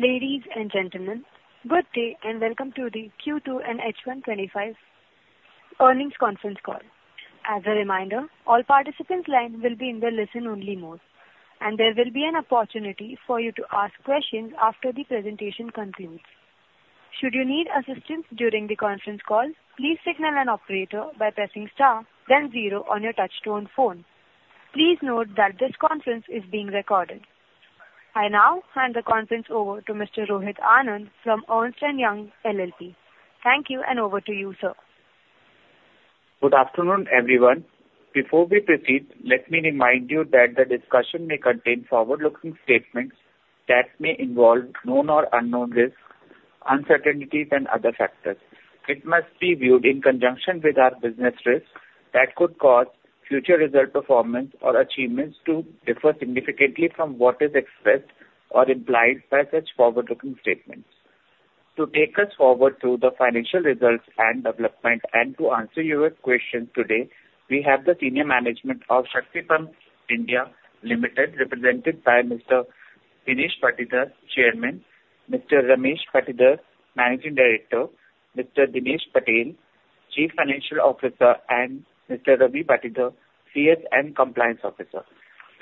Ladies and gentlemen, good day and welcome to the Q2 and H1 2025 earnings conference call. As a reminder, all participants' lines will be in listen-only mode, and there will be an opportunity for you to ask questions after the presentation concludes. Should you need assistance during the conference call, please signal an operator by pressing star, then zero on your touch-tone phone. Please note that this conference is being recorded. I now hand the conference over to Mr. Rohit Anand from Ernst & Young LLP. Thank you, and over to you, sir. Good afternoon, everyone. Before we proceed, let me remind you that the discussion may contain forward-looking statements that may involve known or unknown risks, uncertainties, and other factors. It must be viewed in conjunction with our business risks that could cause future result performance or achievements to differ significantly from what is expressed or implied by such forward-looking statements. To take us forward through the financial results and development and to answer your questions today, we have the senior management of Shakti Pumps (India) Limited, represented by Mr. Dinesh Patidar, Chairman; Mr. Ramesh Patidar, Managing Director; Mr. Dinesh Patel, Chief Financial Officer; and Mr. Ravi Patidar, CS and Compliance Officer.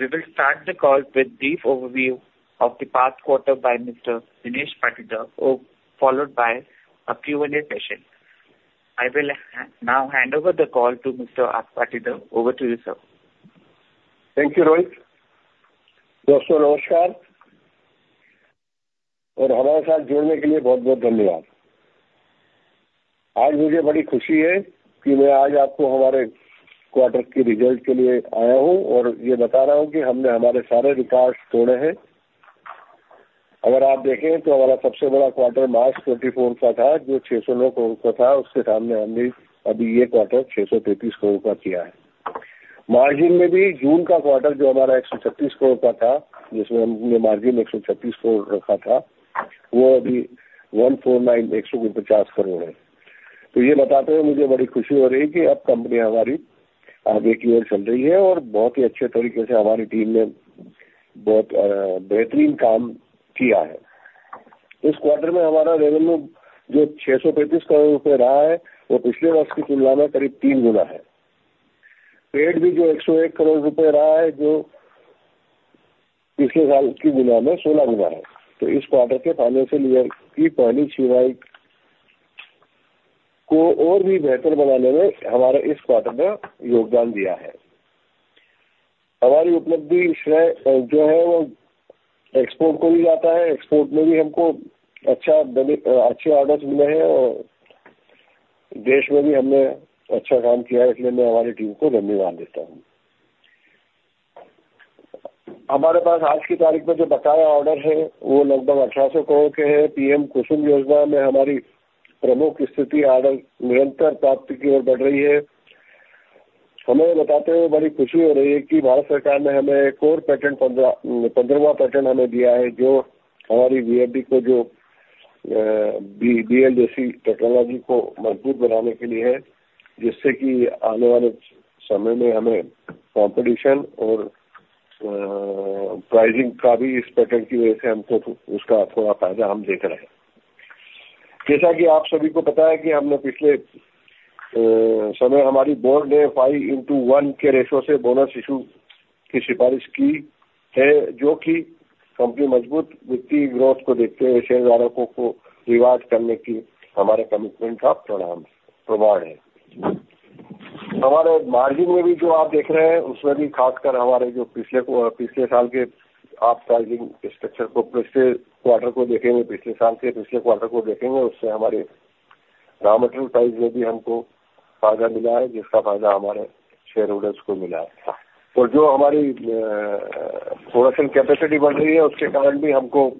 We will start the call with a brief overview of the past quarter by Mr. Dinesh Patidar, followed by a Q&A session. I will now hand over the call to Mr. Patidar. Over to you, sir. Thank you, Rohit. दोस्तों, नमस्कार और हमारे साथ जुड़ने के लिए बहुत-बहुत धन्यवाद। आज मुझे बड़ी खुशी है कि मैं आज आपको हमारे क्वार्टर के रिजल्ट के लिए आया हूं और यह बता रहा हूं कि हमने हमारे सारे रिकॉर्ड तोड़े हैं। अगर आप देखें तो हमारा सबसे बड़ा क्वार्टर मार्च 2024 का था, जो 609 करोड़ का था। उसके सामने हमने अभी यह क्वार्टर 633 करोड़ का किया है। मार्जिन में भी जून का क्वार्टर, जो हमारा 136 करोड़ का था, जिसमें हमने मार्जिन INR 136 करोड़ रखा था, वो अभी INR 149 करोड़ है। तो यह बताते हुए मुझे बड़ी खुशी हो रही है कि अब कंपनी हमारी आगे की ओर चल रही है और बहुत ही अच्छे तरीके से हमारी टीम ने बहुत बेहतरीन काम किया है। इस क्वार्टर में हमारा रेवेन्यू, जो 635 करोड़ रुपए रहा है, वो पिछले वर्ष की तुलना में करीब तीन गुना है। PAT भी, जो INR 101 करोड़ रुपए रहा है, जो पिछले साल की तुलना में 16 गुना है। तो इस क्वार्टर के फाइनेंसियल ईयर की पहली छमाही को और भी बेहतर बनाने में हमारे इस क्वार्टर ने योगदान दिया है। हमारी उपलब्धि जो है, वो एक्सपोर्ट को भी जाता है। एक्सपोर्ट में भी हमको अच्छे ऑर्डर्स मिले हैं और देश में भी हमने अच्छा काम किया है। इसलिए मैं हमारी टीम को धन्यवाद देता हूं। हमारे पास आज की तारीख में जो बकाया ऑर्डर है, वो लगभग INR 1800 करोड़ के हैं। PM कुसुम योजना में हमारी प्रमुख स्थिति ऑर्डर निरंतर प्राप्ति की ओर बढ़ रही है। हमें बताते हुए बड़ी खुशी हो रही है कि भारत सरकार ने हमें कोर पैटर्न, 15वां पैटर्न हमें दिया है, जो हमारी VFD को, जो BL जैसी टेक्नोलॉजी को मजबूत बनाने के लिए है, जिससे कि आने वाले समय में हमें कंपटीशन और प्राइसिंग का भी इस पैटर्न की वजह से हमको उसका थोड़ा फायदा हम देख रहे हैं। जैसा कि आप सभी को पता है कि हमने पिछले समय हमारी बोर्ड ने 5:1 के रेशो से बोनस इशू की सिफारिश की है, जो कि कंपनी मजबूत वित्तीय ग्रोथ को देखते हुए शेयरधारकों को रिवार्ड करने की हमारे कमिटमेंट का प्रमाण है। हमारे मार्जिन में भी, जो आप देख रहे हैं, उसमें भी खासकर हमारे जो पिछले साल के आप प्राइसिंग स्ट्रक्चर को पिछले क्वार्टर को देखेंगे, पिछले साल के पिछले क्वार्टर को देखेंगे, उससे हमारे रॉ मटेरियल प्राइस में भी हमको फायदा मिला है, जिसका फायदा हमारे शेयर होल्डर्स को मिला है। और जो हमारी प्रोडक्शन कैपेसिटी बढ़ रही है, उसके कारण भी हमको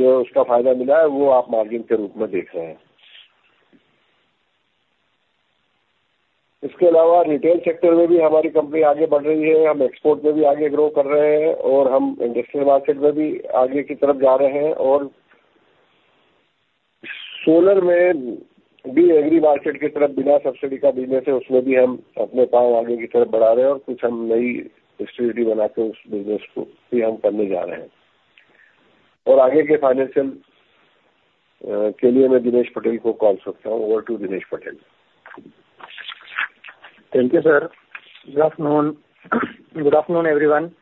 जो उसका फायदा मिला है, वो आप मार्जिन के रूप में देख रहे हैं। इसके अलावा, रिटेल सेक्टर में भी हमारी कंपनी आगे बढ़ रही है। हम एक्सपोर्ट में भी आगे ग्रो कर रहे हैं और हम इंडस्ट्रियल मार्केट में भी आगे की तरफ जा रहे हैं। और सोलर में भी एग्री मार्केट की तरफ बिना सब्सिडी का बिजनेस है, उसमें भी हम अपने पांव आगे की तरफ बढ़ा रहे हैं। और कुछ हम नई स्ट्रेटजी बनाकर उस बिजनेस को भी हम करने जा रहे हैं। और आगे के फाइनेंसियल के लिए मैं दिनेश पटेल को कॉल करता हूं। Over to Dinesh Patel. Thank you, sir. Good afternoon. Good afternoon, everyone.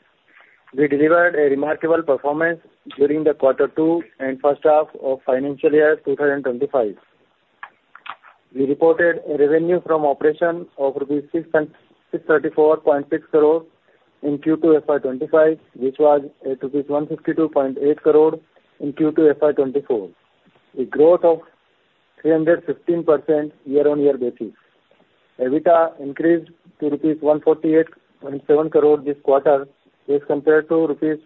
We delivered a remarkable performance during Q2 and the first half of financial year 2025. We reported revenue from operations of ₹634.6 crores in Q2 FY25, which was ₹152.8 crores in Q2 FY24, a growth of 315% on a year-on-year basis. EBITDA increased to ₹148.7 crores this quarter, as compared to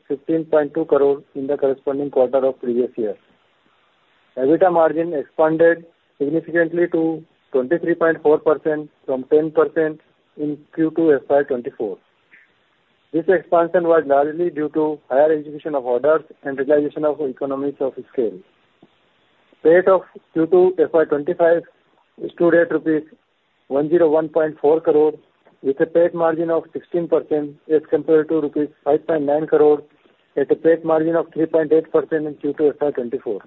₹15.2 crores in the corresponding quarter of the previous year. EBITDA margin expanded significantly to 23.4% from 10% in Q2 FY24. This expansion was largely due to higher execution of orders and realization of economies of scale. PAT of Q2 FY25 stood at ₹101.4 crores, with a PAT margin of 16%, as compared to ₹5.9 crores at a PAT margin of 3.8% in Q2 FY24.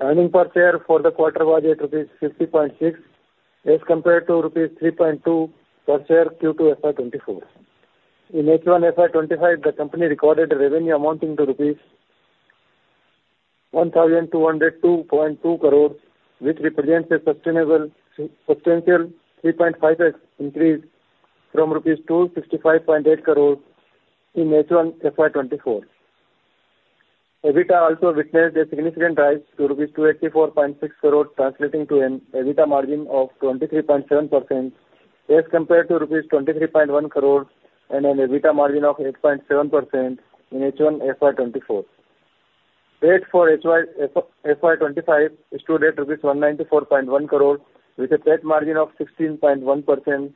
Earnings per share for the quarter was ₹50.6, as compared to ₹3.2 per share in Q2 FY24. In H1 FY25, the company recorded revenue amounting to ₹1,202.2 crore, which represents a substantial 3.5x increase from ₹265.8 crore in H1 FY24. EBITDA also witnessed a significant rise to ₹284.6 crore, translating to an EBITDA margin of 23.7%, as compared to ₹23.1 crore and an EBITDA margin of 8.7% in H1 FY24. PAT for H1 FY25 stood at ₹194.1 crore, with a PAT margin of 16.1%,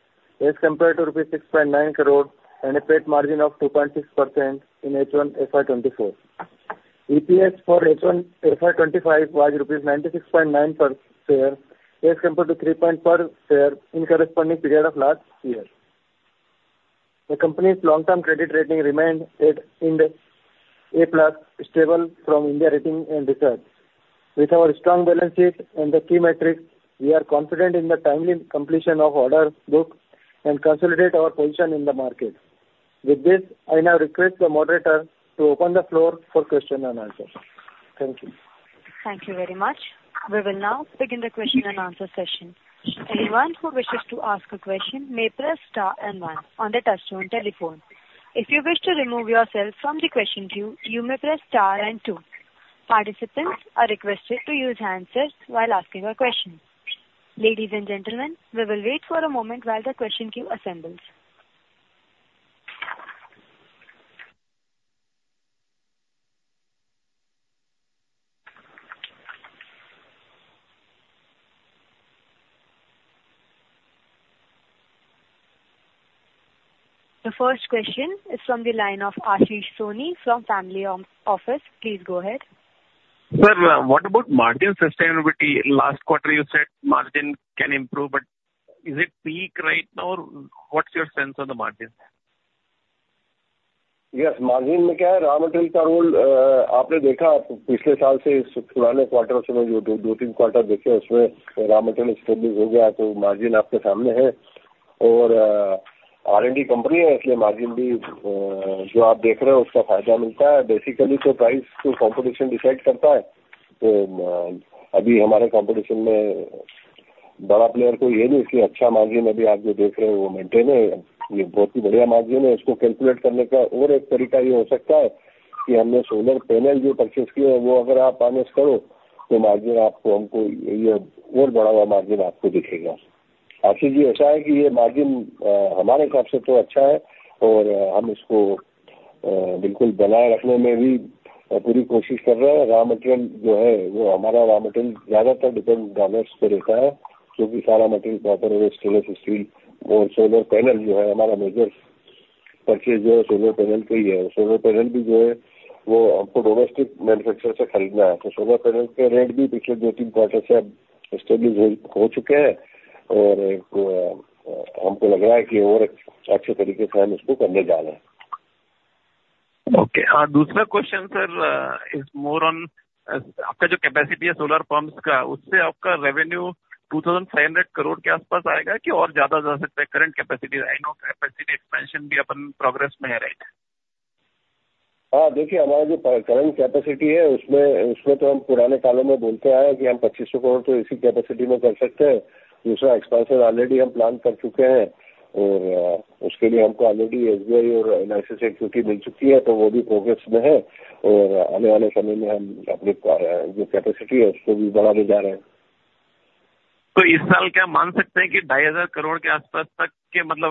as compared to ₹6.9 crore and a PAT margin of 2.6% in H1 FY24. EPS for H1 FY25 was ₹96.9 per share, as compared to ₹3.4 per share in the corresponding period of last year. The company's long-term credit rating remained at A+ stable from India Ratings and Research. With our strong balance sheet and the key metrics, we are confident in the timely completion of order books and consolidate our position in the market. With this, I now request the moderator to open the floor for question and answer. Thank you. Thank you very much. We will now begin the question and answer session. Anyone who wishes to ask a question may press star and one on the touch-tone telephone. If you wish to remove yourself from the question queue, you may press star and two. Participants are requested to use handsets while asking a question. Ladies and gentlemen, we will wait for a moment while the question queue assembles. The first question is from the line of Ashish Soni from Family Office. Please go ahead. Sir, what about margin sustainability? Last quarter, you said margin can improve, but is it peak right now? What's your sense on the margin? हाँ, margin में क्या है? Raw material का role आपने देखा पिछले साल से। इस पुराने क्वार्टर से जो दो-तीन क्वार्टर देखे, उसमें रॉ मैटेरियल एस्टैब्लिश हो गया, तो मार्जिन आपके सामने है। और R&D कंपनी है, इसलिए मार्जिन भी जो आप देख रहे हो, उसका फायदा मिलता है। बेसिकली तो प्राइस को कंपटीशन डिसाइड करता है। तो अभी हमारे कंपटीशन में बड़ा प्लेयर कोई है नहीं, इसलिए अच्छा मार्जिन अभी आप जो देख रहे हो, वो मेंटेन है। ये बहुत ही बढ़िया मार्जिन है। इसको कैलकुलेट करने का और एक तरीका ये हो सकता है कि हमने सोलर पैनल जो परचेज किए हैं, वो अगर आप मानस करो, तो मार्जिन आपको, हमको ये और बढ़ा हुआ मार्जिन आपको दिखेगा। आशीष जी, ऐसा है कि ये मार्जिन हमारे हिसाब से तो अच्छा है और हम इसको बिल्कुल बनाए रखने में भी पूरी कोशिश कर रहे हैं। रॉ मैटेरियल जो है, वो हमारा रॉ मैटेरियल ज्यादातर डिपेंड डॉलर्स पे रहता है, क्योंकि सारा मैटेरियल कॉपर और स्टील और सोलर पैनल जो है, हमारा मेजर परचेज जो है, सोलर पैनल का ही है। और सोलर पैनल भी जो है, वो हमको डोमेस्टिक मैन्युफैक्चरर से खरीदना है। तो सोलर पैनल के रेट भी पिछले दो-तीन क्वार्टर से अब एस्टैब्लिश हो चुके हैं और हमको लग रहा है कि और अच्छे नहीं आएगा, क्या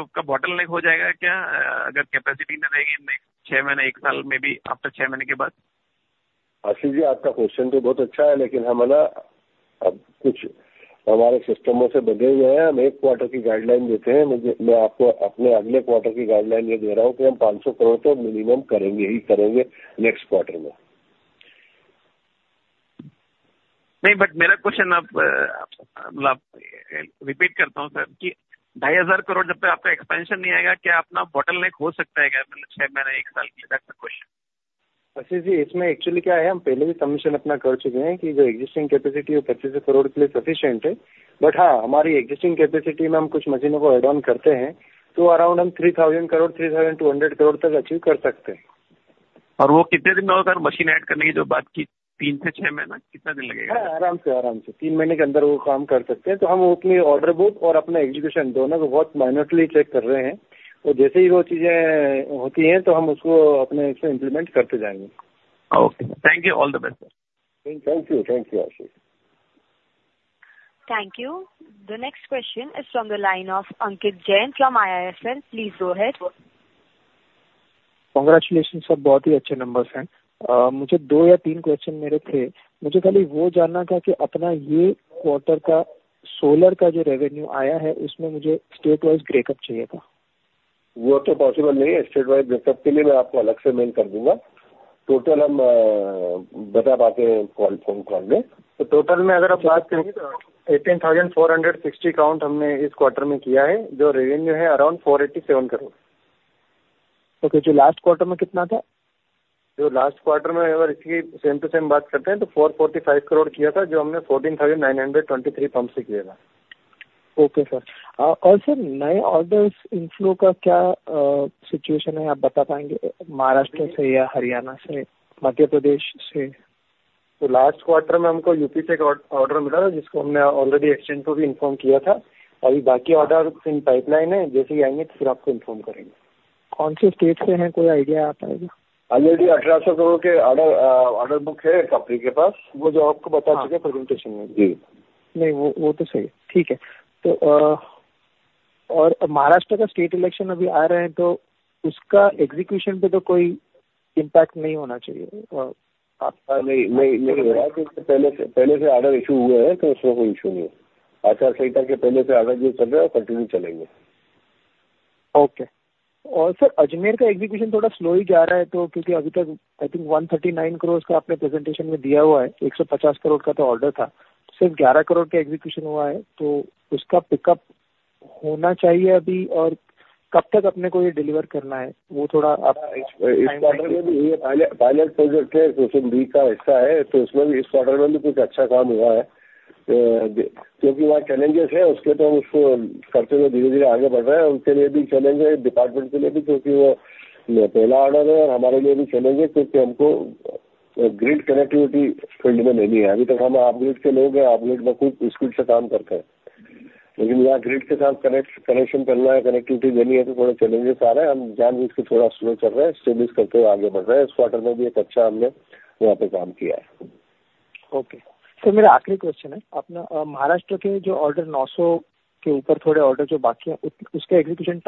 अपना बॉटल नेक हो सकता है? क्या मतलब छ महीने, एक साल के लिए? That's the question. अच्छा जी, इसमें एक्चुअली क्या है, हम पहले भी कमीशन अपना कर चुके हैं कि जो एक्सिस्टिंग कैपेसिटी है, वो INR 2,500 करोड़ के लिए सफिशिएंट है। बट हां, हमारी एक्सिस्टिंग कैपेसिटी में हम कुछ मशीनों को ऐड ऑन करते हैं, तो अराउंड हम INR 3,000 करोड़, INR 3,200 करोड़ तक अचीव कर सकते हैं। और वो कितने दिन में होगा, सर? मशीन ऐड करने की जो बात की, तीन से छह महीना, कितना दिन लगेगा? हां, आराम से, आराम से, तीन महीने के अंदर वो काम कर सकते हैं। तो हम अपनी ऑर्डर बुक और अपना एग्जीक्यूशन दोनों को बहुत माइनरली चेक कर रहे हैं। और जैसे ही वो चीजें होती हैं, तो हम उसको अपने इसमें इंप्लीमेंट करते जाएंगे। Okay, thank you, all the best, sir. Thank you, thank you, Ashish. Thank you. The next question is from the line of Ankit Jain from IISL. Please go ahead. Congratulation, sir. बहुत ही अच्छे नंबर्स हैं। मुझे दो या तीन क्वेश्चन मेरे थे। मुझे खाली वो जानना था कि अपना ये क्वार्टर का सोलर का जो रेवेन्यू आया है, उसमें मुझे स्टेट वाइज ब्रेकअप चाहिए था। वो तो पॉसिबल नहीं है। स्टेट वाइज ब्रेकअप के लिए मैं आपको अलग से मेल कर दूंगा। टोटल हम बता पाते हैं कॉल फोन कॉल में। तो टोटल में अगर आप बात करेंगे तो 18,460 काउंट हमने इस क्वार्टर में किया है, जो रेवेन्यू है अराउंड INR 487 करोड़। ओके, जो लास्ट क्वार्टर में कितना था? जो लास्ट क्वार्टर में अगर इसकी सेम टू सेम बात करते हैं, तो ₹445 करोड़ किया था, जो हमने 14,923 पंप से किया था। Okay, sir. और सर, नए ऑर्डर्स इनफ्लो का क्या सिचुएशन है? आप बता पाएंगे महाराष्ट्र से या हरियाणा से, मध्य प्रदेश से? तो लास्ट क्वार्टर में हमको यूपी से एक ऑर्डर मिला था, जिसको हमने ऑलरेडी एक्सचेंज को भी इन्फॉर्म किया था। अभी बाकी ऑर्डर इन पाइपलाइन है। जैसे ही आएंगे, तो फिर आपको इन्फॉर्म करेंगे। कौन से स्टेट से है? कोई आईडिया आ पाएगा? ऑलरेडी INR 1800 करोड़ के ऑर्डर बुक है कंपनी के पास। वो जो आपको बता चुके हैं प्रेजेंटेशन में। जी नहीं, वो तो सही है। ठीक है। तो और महाराष्ट्र का स्टेट इलेक्शन अभी आ रहा है, तो उसका एग्जीक्यूशन पे तो कोई इंपैक्ट नहीं होना चाहिए। आप? नहीं, नहीं, नहीं। पहले से ऑर्डर इशू हुए हैं, तो उसमें कोई इशू नहीं है। आचार संहिता के पहले से ऑर्डर जो चल रहे हैं, वो कंटिन्यू चलेंगे। ओके। और सर, अजमेर का एग्जीक्यूशन थोड़ा स्लो ही जा रहा है, क्योंकि अभी तक आई थिंक 139 करोड़ का आपने प्रेजेंटेशन में दिया हुआ है, 150 करोड़ का तो ऑर्डर था, सिर्फ 11 करोड़ का एग्जीक्यूशन हुआ है। तो उसका पिकअप होना चाहिए अभी। और कब तक आपको ये डिलीवर करना है, वो थोड़ा आप बताइए? इस क्वार्टर में भी ये पायलट प्रोजेक्ट है, क्वेश्चन बी का हिस्सा है। तो उसमें भी इस क्वार्टर में भी कुछ अच्छा काम हुआ है। क्योंकि वहां चैलेंजेस हैं, उसके तो हम उसको करते हुए धीरे-धीरे आगे बढ़ रहे हैं। उनके लिए भी चैलेंज है, डिपार्टमेंट के लिए भी, क्योंकि वो पहला ऑर्डर है। और हमारे लिए भी चैलेंज है, क्योंकि हमको ग्रिड कनेक्टिविटी फील्ड में लेनी है। अभी तक हम अपग्रेड के लोग हैं, अपग्रेड में खूब स्पीड से काम करते हैं। लेकिन यहां ग्रिड के साथ कनेक्ट कनेक्शन करना है, कनेक्टिविटी देनी है, तो थोड़े चैलेंजेस आ रहे हैं। हम जानबूझकर थोड़ा स्लो चल रहे हैं, स्थापित करते हुए आगे बढ़ रहे हैं। इस क्वार्टर में भी एक अच्छा हमने वहां पे काम किया है। Okay, sir. मेरा आखिरी क्वेश्चन है, अपना महाराष्ट्र के जो ऑर्डर 900 के ऊपर थोड़े ऑर्डर जो बाकी हैं, उसका एग्जीक्यूशन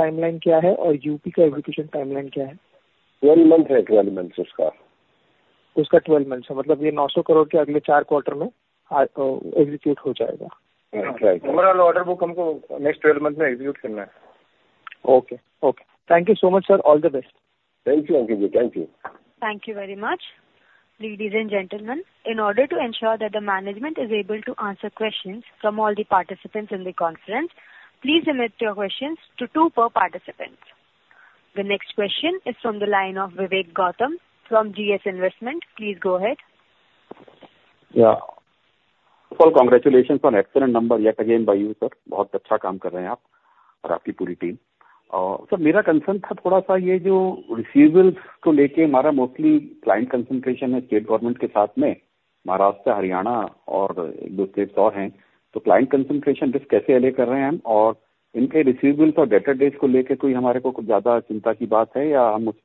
टाइमलाइन क्या है? और यूपी का एग्जीक्यूशन टाइमलाइन क्या है? 12 महीने है, 12 महीने उसका। उसका 12 महीने है। मतलब ये ₹900 करोड़ के अगले चार क्वार्टर में एग्जीक्यूट हो जाएगा। Right, right. Overall order book हमको नेक्स्ट 12 मंथ में एग्जीक्यूट करना है। Okay, okay. Thank you so much, sir. All the best. Thank you, Ankit ji. Thank you. Thank you very much, ladies and gentlemen. In order to ensure that the management is able to answer questions from all the participants in the conference, please limit your questions to two per participant. The next question is from the line of Vivek Gautam from GS Investment. Please go ahead. Yes, sir, congratulations for excellent numbers yet again by you, sir. बहुत अच्छा काम कर रहे हैं आप और आपकी पूरी टीम। Sir, मेरा concern था थोड़ा सा ये जो receivables को लेकर हमारा mostly client concentration है state government के साथ में। Maharashtra, Haryana और एक दो states और हैं। तो client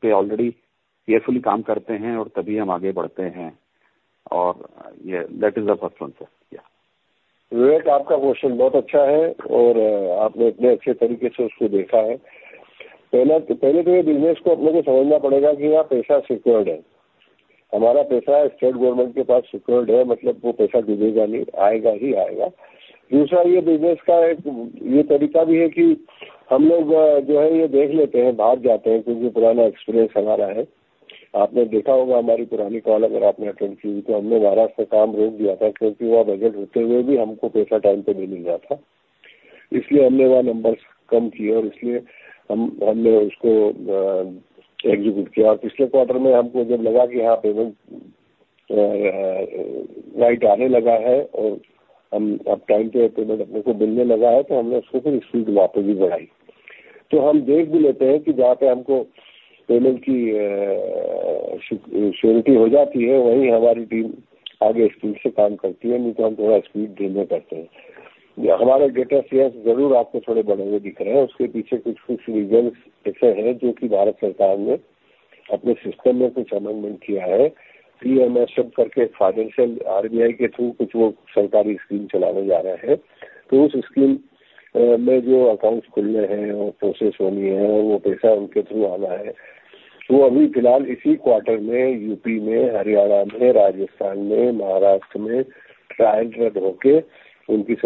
concentration risk कैसे handle कर रहे हैं हम? और इनके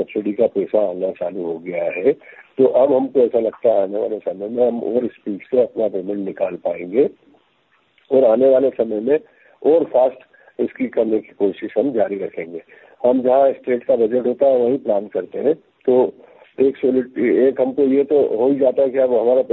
receivables और data days को लेकर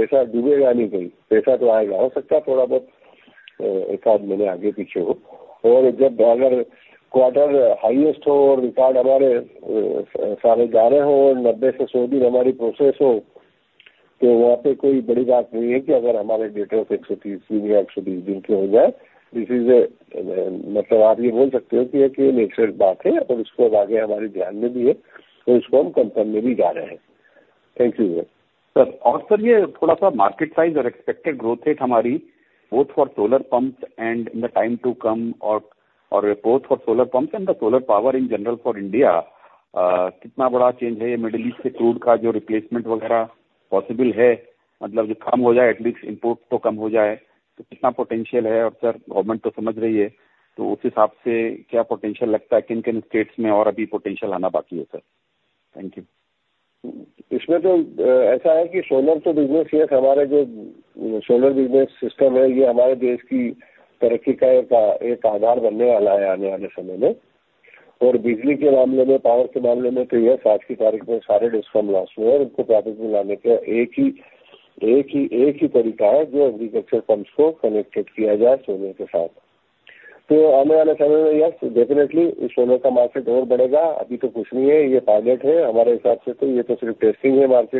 कोई हमें कुछ ज्यादा चिंता की बात है या हम उस पर already carefully काम करते हैं और तभी हम आगे बढ़ते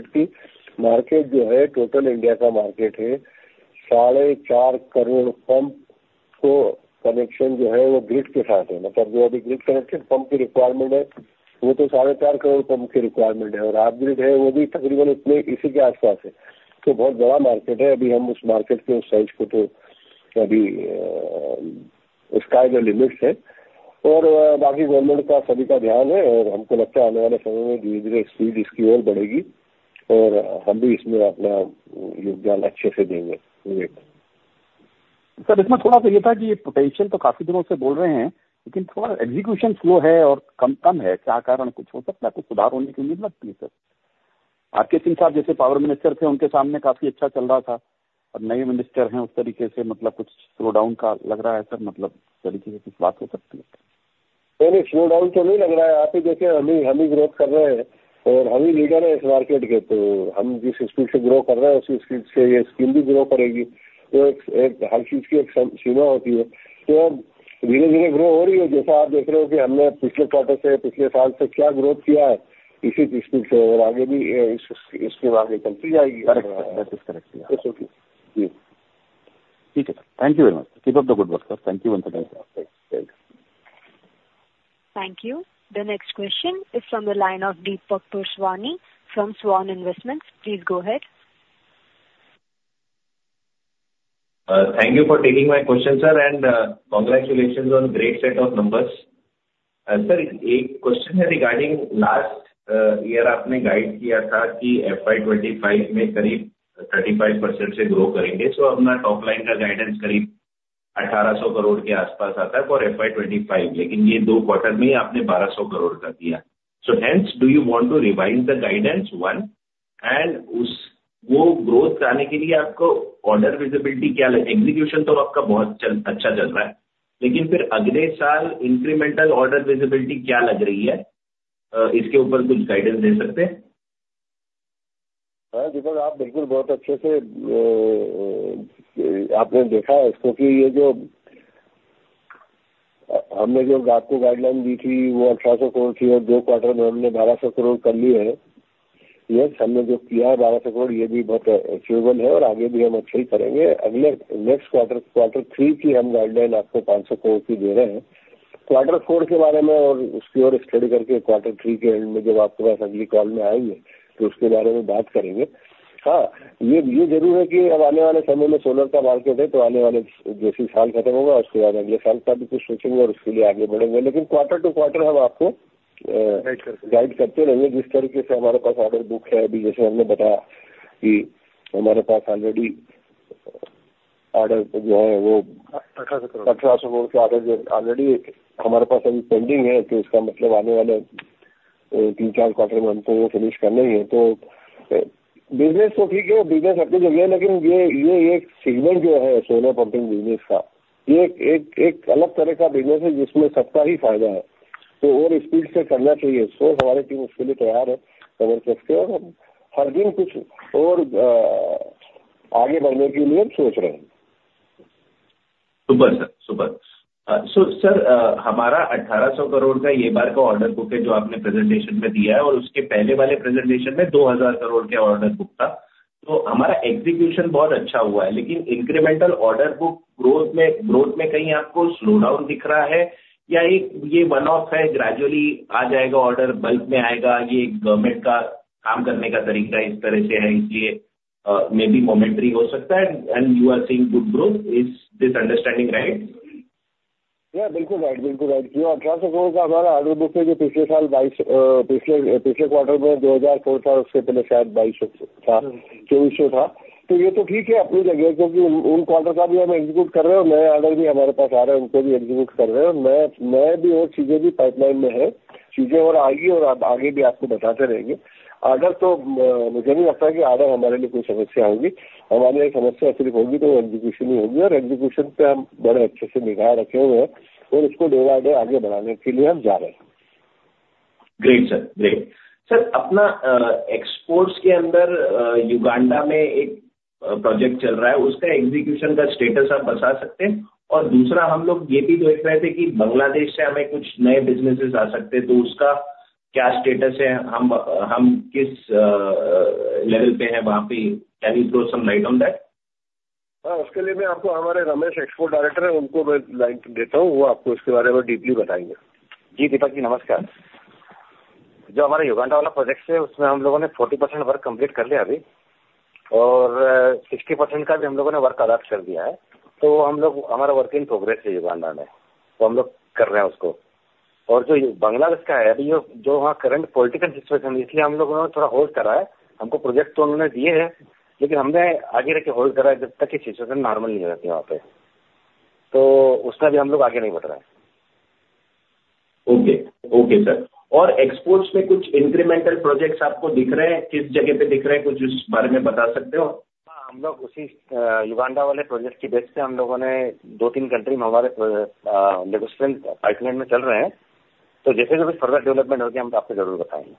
हैं? और ये that is the first one. Sir, yeah, Vivek, आपका क्वेश्चन बहुत अच्छा है और आपने इतने अच्छे तरीके ये जो हमने जो आपको गाइडलाइन दी थी, वो INR is this understanding right? हाँ, बिल्कुल सही। बिल्कुल सही। ₹1800 करोड़ का हमारा ऑर्डर बुक है जो पिछले साल 22, पिछले पिछले क्वार्टर में ₹2000, ₹2000, उसके पहले शायद ₹2200 था, ₹2400 था। तो यह तो ठीक है, अपनी जगह है क्योंकि उन क्वार्टर का भी हम एग्जीक्यूट कर रहे हैं और नए ऑर्डर भी हमारे पास आ रहे हैं, उनको भी एग्जीक्यूट कर रहे हैं। और नए-नए भी और चीजें भी पाइपलाइन में हैं, चीजें और आएंगी और आगे भी आपको बताते रहेंगे। ऑर्डर तो मुझे नहीं लगता है कि ऑर्डर हमारे लिए कोई समस्या होगी। हमारी एक समस्या सिर्फ होगी, तो वो एग्जीक्यूशन ही होगी और एग्जीक्यूशन पर हम बड़े अच्छे से निगाह रखे हुए हैं और उसको दिन-प्रतिदिन आगे बढ़ाने के लिए हम जा रहे हैं। Great, sir. ग्रेट। सर, अपने एक्सपोर्ट्स के अंदर युगांडा में एक प्रोजेक्ट चल रहा है, उसका एग्जीक्यूशन का स्टेटस आप बता सकते हैं? और दूसरा, हम लोग ये भी देख रहे थे कि बांग्लादेश से हमें कुछ नए बिजनेसेस आ सकते हैं, तो उसका क्या स्टेटस है? हम किस लेवल पे हैं वहां पे? Can you throw some light on that? हां, उसके लिए मैं आपको हमारे रमेश एक्सपोर्ट डायरेक्टर हैं, उनको मैं लाइन देता हूं, वो आपको इसके बारे में डीपली बताएंगे। जी, दीपक जी, नमस्कार। जो हमारा युगांडा वाला प्रोजेक्ट है, उसमें हम लोगों ने 40% वर्क कंप्लीट कर लिया अभी और 60% का भी हम लोगों ने वर्क अराउंड कर दिया है। तो हम लोग हमारा वर्क इन प्रोग्रेस है युगांडा में, तो हम लोग कर रहे हैं उसको। जो बांग्लादेश का है, अभी जो वहां करंट पॉलिटिकल सिचुएशन है, इसलिए हम लोगों ने थोड़ा होल्ड करा है। हमको प्रोजेक्ट तो उन्होंने दिए हैं, लेकिन हमने आगे रख के होल्ड करा है जब तक ये सिचुएशन नॉर्मल नहीं हो जाती वहां पे। तो उसमें अभी हम लोग आगे नहीं बढ़ रहे हैं। Okay, okay, sir. एक्सपोर्ट्स में कुछ इंक्रीमेंटल प्रोजेक्ट्स आपको दिख रहे हैं, किस जगह पे दिख रहे हैं, कुछ उस बारे में बता सकते हो? हां, हम लोग उसी युगांडा वाले प्रोजेक्ट के बेस पर, हम लोगों ने दो-तीन कंट्री में हमारे लेग स्ट्रेंथ पाइपलाइन में चल रहे हैं। तो जैसे-जैसे फर्दर डेवलपमेंट होगी, हम आपको जरूर बताएंगे।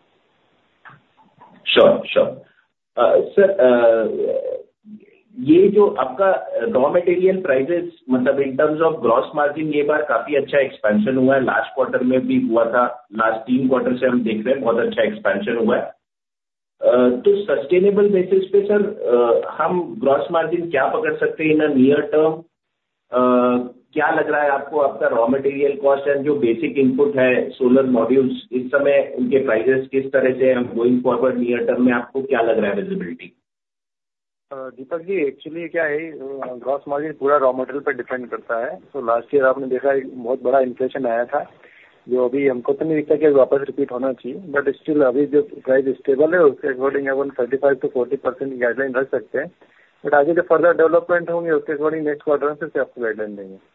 Sure, sure. सर, ये जो आपका रॉ मटेरियल प्राइसेस, मतलब in terms of gross margin, ये बार काफी अच्छा एक्सपेंशन हुआ है। लास्ट क्वार्टर में भी हुआ था, लास्ट तीन क्वार्टर से हम देख रहे हैं, बहुत अच्छा एक्सपेंशन हुआ है। तो सस्टेनेबल बेसिस पे, सर, हम ग्रॉस मार्जिन क्या पकड़ सकते हैं इन अ नियर टर्म? क्या लग रहा है आपको आपका रॉ मटेरियल कॉस्ट एंड जो बेसिक इनपुट है, सोलर मॉड्यूल्स इस समय उनके प्राइसेस किस तरह से हैं? गोइंग फॉरवर्ड नियर टर्म में आपको क्या लग रहा है विज़िबिलिटी? दीपक जी, एक्चुअली क्या है, ग्रॉस मार्जिन पूरा रॉ मटेरियल पे डिपेंड करता है। लास्ट ईयर आपने देखा, एक बहुत बड़ा इनफ्लेशन आया था, जो अभी हमको तो नहीं दिखता कि वापस रिपीट होना चाहिए। बट स्टिल, अभी जो प्राइस स्टेबल है, उसके अकॉर्डिंग अपन 35% टू 40% गाइडलाइन रख सकते हैं। आगे जो फर्दर डेवलपमेंट होंगे, उसके अकॉर्डिंग नेक्स्ट क्वार्टर में फिर से आपको गाइडलाइन देंगे। Okay, okay, sir. In terms of case, hello, sorry to interrupt. Okay, okay, okay. I will follow in like this. Yeah, thank you. Participants, who wishes to ask a question, may press star and two star and one. The next question is from the line of Ajay Kumar, Surya, Nivesha. Please go ahead. Sir, congratulation, इतना अच्छा number के लिए। Sir, मेरा question Kusum component C के regarding है। Sir, जैसा कि मतलब पूरी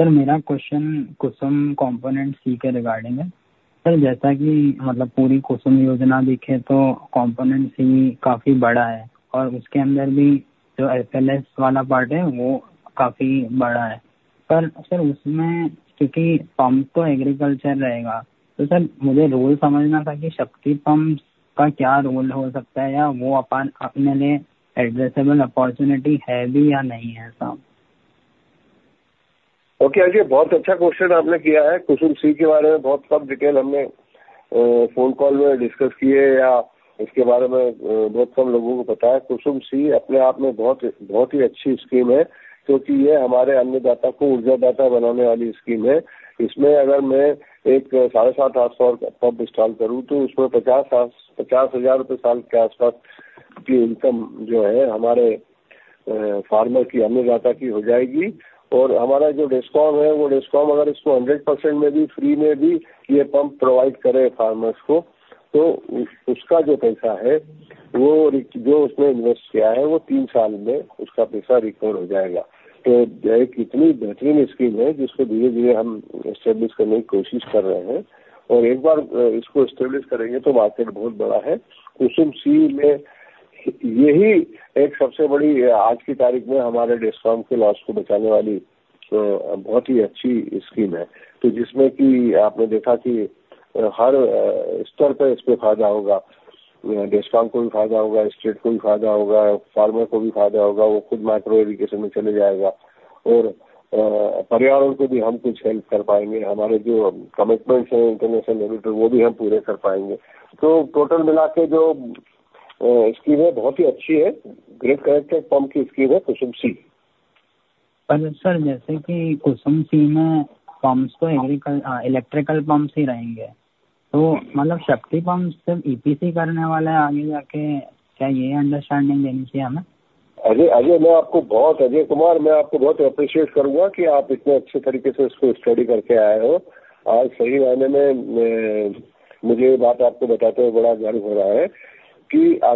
technology है, जो आने वाले समय में जैसे ही grid connected grid connecting की तरफ market बढ़ेगा, इसका फायदा Shakti Pumps को युद्ध स्तर पर होगा। अजय, तो सर, बस final understanding जैसे Kusum Component C में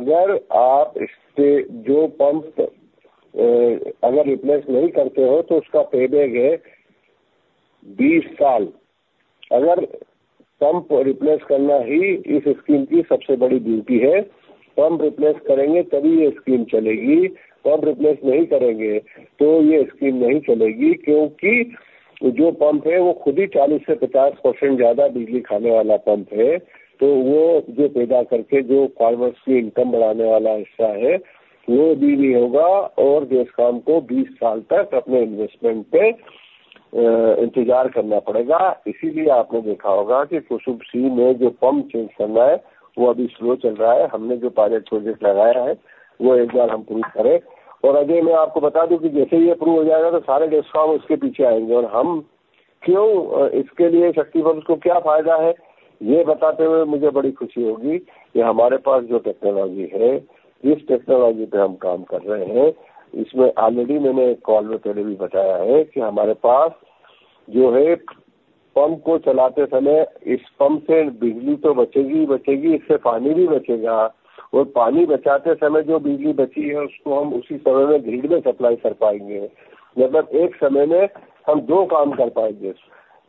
अपन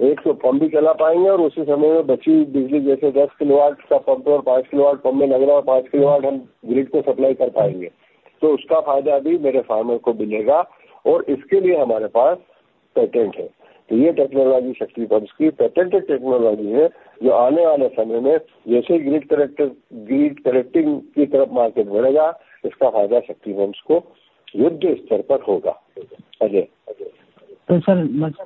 जो order execute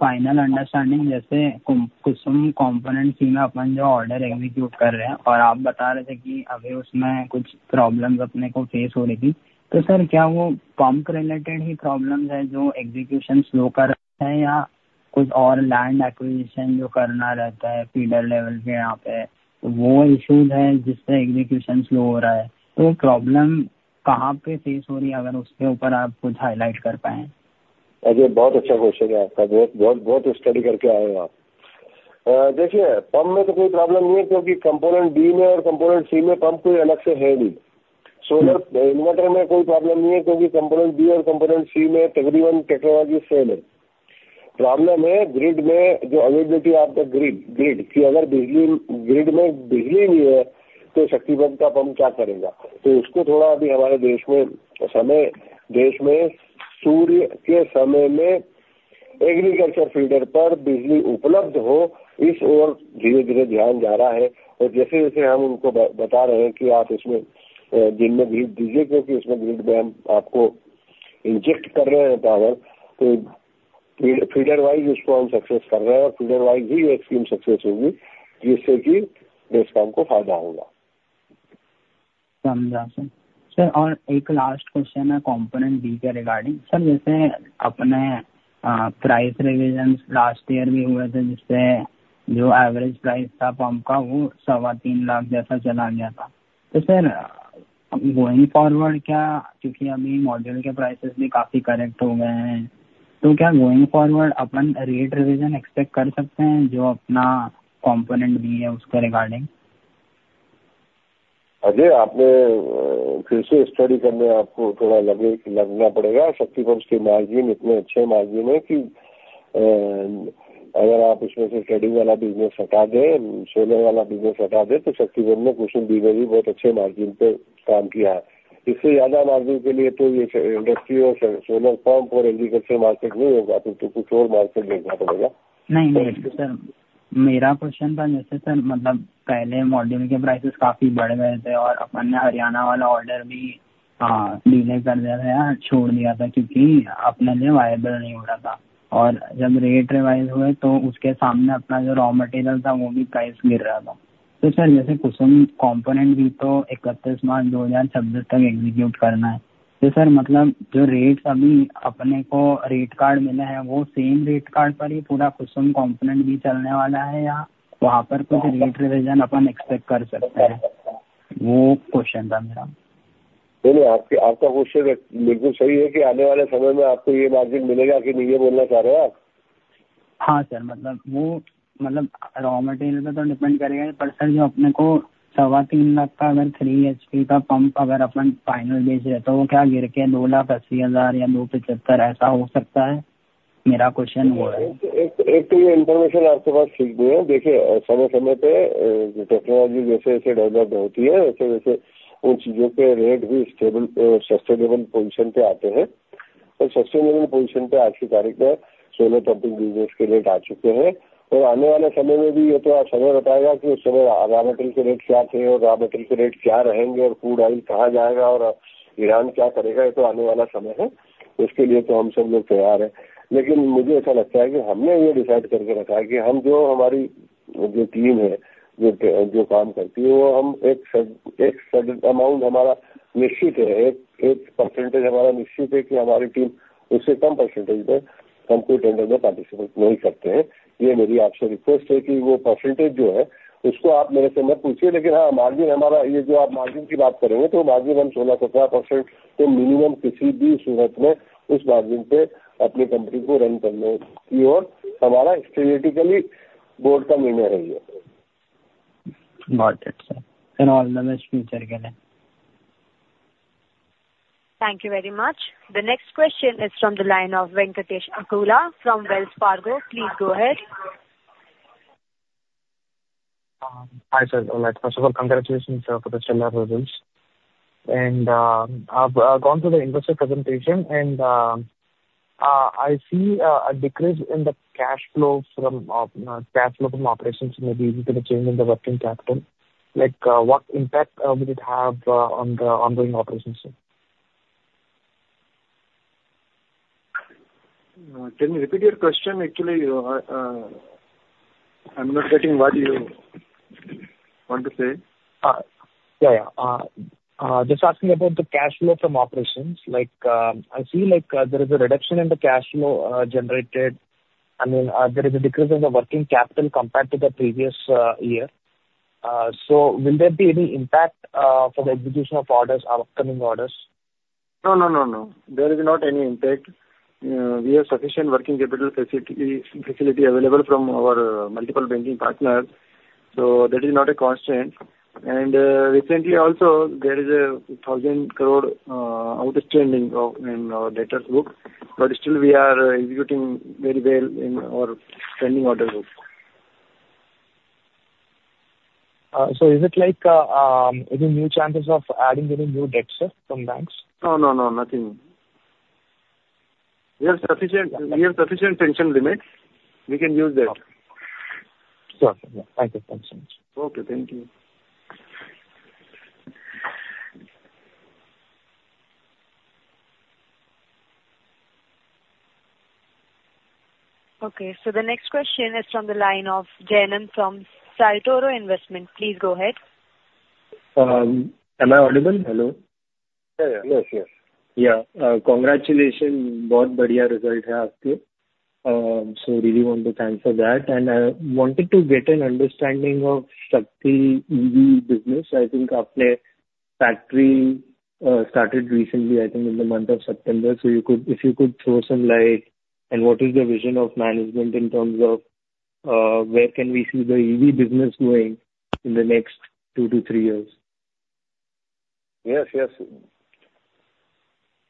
कर रहे हैं, और आप बता रहे थे कि अभी उसमें कुछ problems अपने को face हो रही थी। तो सर, क्या वो pump related ही problems है जो execution slow कर रहा है या कुछ और land acquisition जो करना रहता है feeder level के यहां पे, वो issues है जिससे execution slow हो रहा है? तो वो प्रॉब्लम कहां पे फेस हो रही है? अगर उसके ऊपर आप कुछ हाईलाइट कर पाए। अजय, बहुत अच्छा क्वेश्चन है आपका। बहुत स्टडी करके आए हो आप। देखिए, पंप में तो कोई प्रॉब्लम नहीं है क्योंकि कंपोनेंट बी में और कंपोनेंट सी में पंप कोई अलग से है नहीं। सोलर इन्वर्टर में कोई प्रॉब्लम नहीं है क्योंकि कंपोनेंट बी और कंपोनेंट सी में तकरीबन टेक्नोलॉजी सेम है। प्रॉब्लम है ग्रिड में जो availability of the grid, grid की अगर बिजली ग्रिड में बिजली नहीं है, तो शक्ति पंप का पंप क्या करेगा? तो उसको थोड़ा अभी हमारे देश में समय, देश में सूर्य के समय में एग्रीकल्चर फीडर पर बिजली उपलब्ध हो, इस ओर धीरे-धीरे ध्यान जा रहा है। और जैसे-जैसे हम उनको बता रहे हैं कि आप इसमें दिन में ग्रिड दीजिए क्योंकि इसमें ग्रिड में हम आपको इंजेक्ट कर रहे हैं पावर। तो फीडर वाइज उसको हम सक्सेस कर रहे हैं और फीडर वाइज ही ये स्कीम सक्सेस होगी, जिससे कि देश काम को फायदा होगा। समझा सर। सर, और एक लास्ट क्वेश्चन है कंपोनेंट बी के रिगार्डिंग। सर, जैसे अपने प्राइस रिवीज़ लास्ट ईयर भी हुए थे, जिससे जो एवरेज प्राइस था पंप का, वो INR 35 लाख जैसा चला गया था। तो सर, गोइंग फॉरवर्ड क्या? क्योंकि अभी मॉड्यूल के प्राइसेस भी काफी करेक्ट हो गए हैं। तो क्या गोइंग फॉरवर्ड अपन रेट रिवीजन एक्सपेक्ट कर सकते हैं जो अपना कंपोनेंट बी है उसके रिगार्डिंग? अजय, आपको फिर से स्टडी करनी पड़ेगी। शक्ति पंप्स के मार्जिन इतने अच्छे मार्जिन हैं कि अगर आप उसमें से शेडिंग वाला बिजनेस हटा दें, सोलर वाला बिजनेस हटा दें, तो शक्ति पंप में कुसुम स्कीम ने भी बहुत अच्छे मार्जिन पर काम किया है। इससे ज्यादा मार्जिन के लिए तो यह इंडस्ट्री और सोलर पंप और एग्रीकल्चर मार्केट नहीं होगा। तो कुछ और मार्केट देखना पड़ेगा। नहीं, नहीं, सर। मेरा प्रश्न था, जैसे सर, मतलब पहले मॉड्यूल के प्राइसेस काफी बढ़ गए थे और हमने हरियाणा वाला ऑर्डर भी देरी कर दिया था या छोड़ दिया था क्योंकि हमारे लिए वायबल नहीं हो रहा था। जब रेट रिवाइज हुए, तो उसके सामने हमारा जो रॉ मटेरियल था, वो भी प्राइस गिर रहा था। तो सर, जैसे कुसुम कंपोनेंट भी तो 31 मार्च 2026 तक एग्जीक्यूट करना है। तो सर, मतलब जो रेट्स अभी हमको रेट कार्ड मिले हैं, वो सेम रेट कार्ड पर ही पूरा कुसुम कंपोनेंट भी चलने वाला है या वहां पर कुछ रेट रिवीजन हम एक्सपेक्ट कर सकते हैं? वो प्रश्न था मेरा। नहीं, नहीं, आपका प्रश्न बिल्कुल सही है कि आने वाले समय में आपको यह मार्जिन मिलेगा कि नहीं, यह बोलना चाह रहे हो आप? हां, सर, मतलब वो मतलब रॉ मटेरियल पे तो डिपेंड करेगा। पर सर, जो अपने को INR 35 लाख का अगर 3 एचपी का पंप अगर अपन फाइनल बेच रहे हैं, तो वो क्या गिर के INR 2,80,000 या INR 2,75,000 ऐसा हो सकता है? मेरा क्वेश्चन वो है। एक-एक-एक तो ये इंफॉर्मेशन आपके पास ठीक नहीं है। देखिए, समय-समय पे टेक्नोलॉजी जैसे-जैसे डेवलप होती है, वैसे-वैसे उन चीजों के रेट भी स्टेबल, सस्टेनेबल पोजीशन पे आते हैं। और सस्टेनेबल पोजीशन पे आज की तारीख में सोलर पंपिंग बिजनेस के रेट आ चुके हैं। और आने वाले समय में भी ये तो समय बताएगा कि उस समय रॉ मैटेरियल के रेट क्या थे और रॉ मैटेरियल के रेट क्या रहेंगे और फूड ऑयल कहां जाएगा और ईरान क्या करेगा, ये तो आने वाला समय है। उसके लिए तो हम सब लोग तैयार हैं। लेकिन मुझे ऐसा लगता है कि हमने ये डिसाइड करके रखा है कि हम जो हमारी जो टीम है, जो काम करती है, वो हम एक सर्टेन अमाउंट हमारा निश्चित है। एक परसेंटेज हमारा निश्चित है कि हमारी टीम उससे कम परसेंटेज में कंपीटेंट में पार्टिसिपेट नहीं करती है। ये मेरी आपसे रिक्वेस्ट है कि वो परसेंटेज जो है, उसको आप मुझसे मत पूछिए। लेकिन हां, मार्जिन हमारा ये जो आप मार्जिन की बात करेंगे, तो मार्जिन हम 16-17% तो मिनिमम किसी भी सूरत में उस मार्जिन पे अपनी कंपनी को रन करने की ओर हमारा स्टेडिली बोर्ड का निर्णय रहा है। Got it, sir. And all the best for the future. Thank you very much. The next question is from the line of Venkatesh Akula from Wells Fargo. Please go ahead. Hi, sir. Like, first of all, congratulation sir for the shell projects. And I have gone through the investor presentation, and I see a decrease in the cash flow from operations. Maybe because of the change in the working capital. Like, what impact will it have on the ongoing operations? Can you repeat your question? Actually, I am not getting what you want to say. या, yeah, just asking about the cash flow from operations. Like, I see like there is a reduction in the cash flow generated. I mean, there is a decrease in the working capital compare to the previous year. So, will there be any impact for the execution of orders, upcoming orders? No, no, no, no. There is not any impact. We have sufficient working capital facility available from our multiple banking partner. So, that is not a constant. And recently, also, there is a INR 1000 crore outstanding in our debtors book. But still, we are executing very well in our pending order book. So, is it like any new chances of adding any new dates from banks? No, no, no, nothing. We have sufficient, we have sufficient pension limit. We can use that. Sir, thank you, thank you so much. Okay, thank you. Okay, so the next question is from the line of जेनन from साइटोरो investment. Please go ahead. Am I audible? Hello. हाँ, हाँ, जी पास पार करते हुए जा रहे हैं। JBM में जरूर हम करीब 3,000 मोटर सेल आउट कर चुके हैं, जो मार्केट में चल रही है। और भी आगे भी कुछ और डेवलप किए हैं। और प्लांट हमारा जो अभी स्टार्ट होने वाला है, वो दिसंबर में हम उसको एक फेज उसका स्टार्ट करेंगे। और उसके बाद उसकी सेल वहाँ से चालू होगी। आने वाले दो साल में उसको हम कंप्लीटली उसको आगे ले जाएंगे। और उसके एक-एक अच्छे इंडियन मैन्युफैक्चरर्स को ऑटोमोबाइल में, जो ईवी में, जो कि इंडिया में अभी तक बहुत कम लोगों ने उससे काम स्टार्ट किया है, उसमें हम जरूर लीडर का रोल रखने की कोशिश करेंगे। So, what kind of revenue की अपेक्षा हम कर रहे हैं इसमें? एंड मार्जिन जो हमारे होंगे, उसमें compare to our the Kusum business और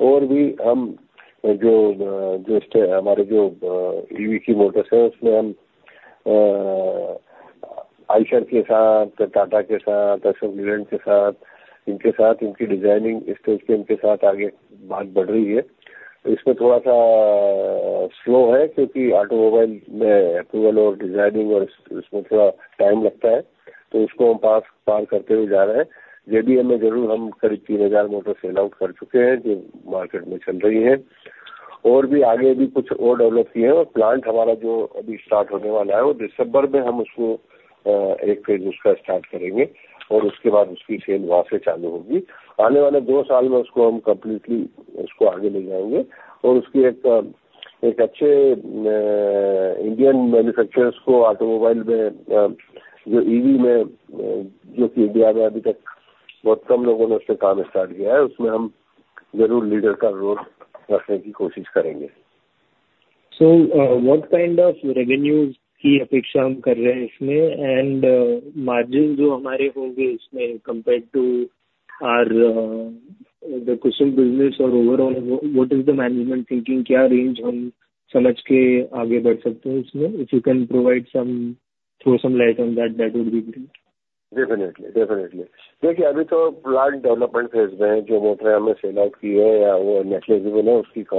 overall, what is the management thinking? क्या रेंज हम समझ के आगे बढ़ सकते हैं इसमें? If you can provide some, throw some light on that, that would be. Definitely, definitely. देखिए, अभी तो प्लांट डेवलपमेंट फेज में है, जो मोटर हमने सेल आउट की है या वो नेट विजिबल है, उसकी अमाउंट भी कोई बहुत ज्यादा अमाउंट नहीं है। लेकिन फिर भी हम ये कह सकते हैं कि हमने अपनी चीजों को एस्टेब्लिश कर लिया है। और अभी प्राइसिंग के मामले में तो देखेंगे, आने वाले समय में हमारे कंपटीशन में कौन कितने स्ट्रांगली ईवी में मोटर्स और कंट्रोलर लेके मेड इन इंडिया का लेके आ रहा है। क्योंकि मुझे लगता है मार्च तक जो है, वो ईवी में कंट्रोलर और मोटर पे कुछ होना चाहिए, एंटी डंपिंग ड्यूटी या कुछ इस तरीके से। तो यस, जब तक हम अपने आप को एस्टेब्लिश भी कर चुके होंगे और आगे भी रखेंगे, तो आने वाला समय बताएगा कि हमारे कंपटीशन में कौन है और हमको कौन सी प्राइस पे हमको काम करना है। यस, आप जो मार्जिन की बात कर रहे हैं, वो जो मैनेजमेंट ने मार्जिन डिसाइड करके रखा है, उसमें भी हम लोग 15% से 17% मार्जिन के आसपास उस पे हम अपनी प्राइसिंग अभी दे रहे हैं। हमारे जो नए वेंडर्स आ रहे हैं, उनके साथ में हम उनको भी अभी गाइड दे रहे हैं, प्राइस की गाइडलाइन दे रहे हैं। तो यस, डेफिनेटली, उसके साथ में स्टार्ट होगा। एक बार प्लांट स्टार्ट हो, उसके बाद आने वाले 3 साल और 5 साल का प्लान बनाया जाएगा, उसके ऊपर काम करा जाएगा। जी, जी, जी, जी, thank you very much and wishing you a very happy Diwali. Thank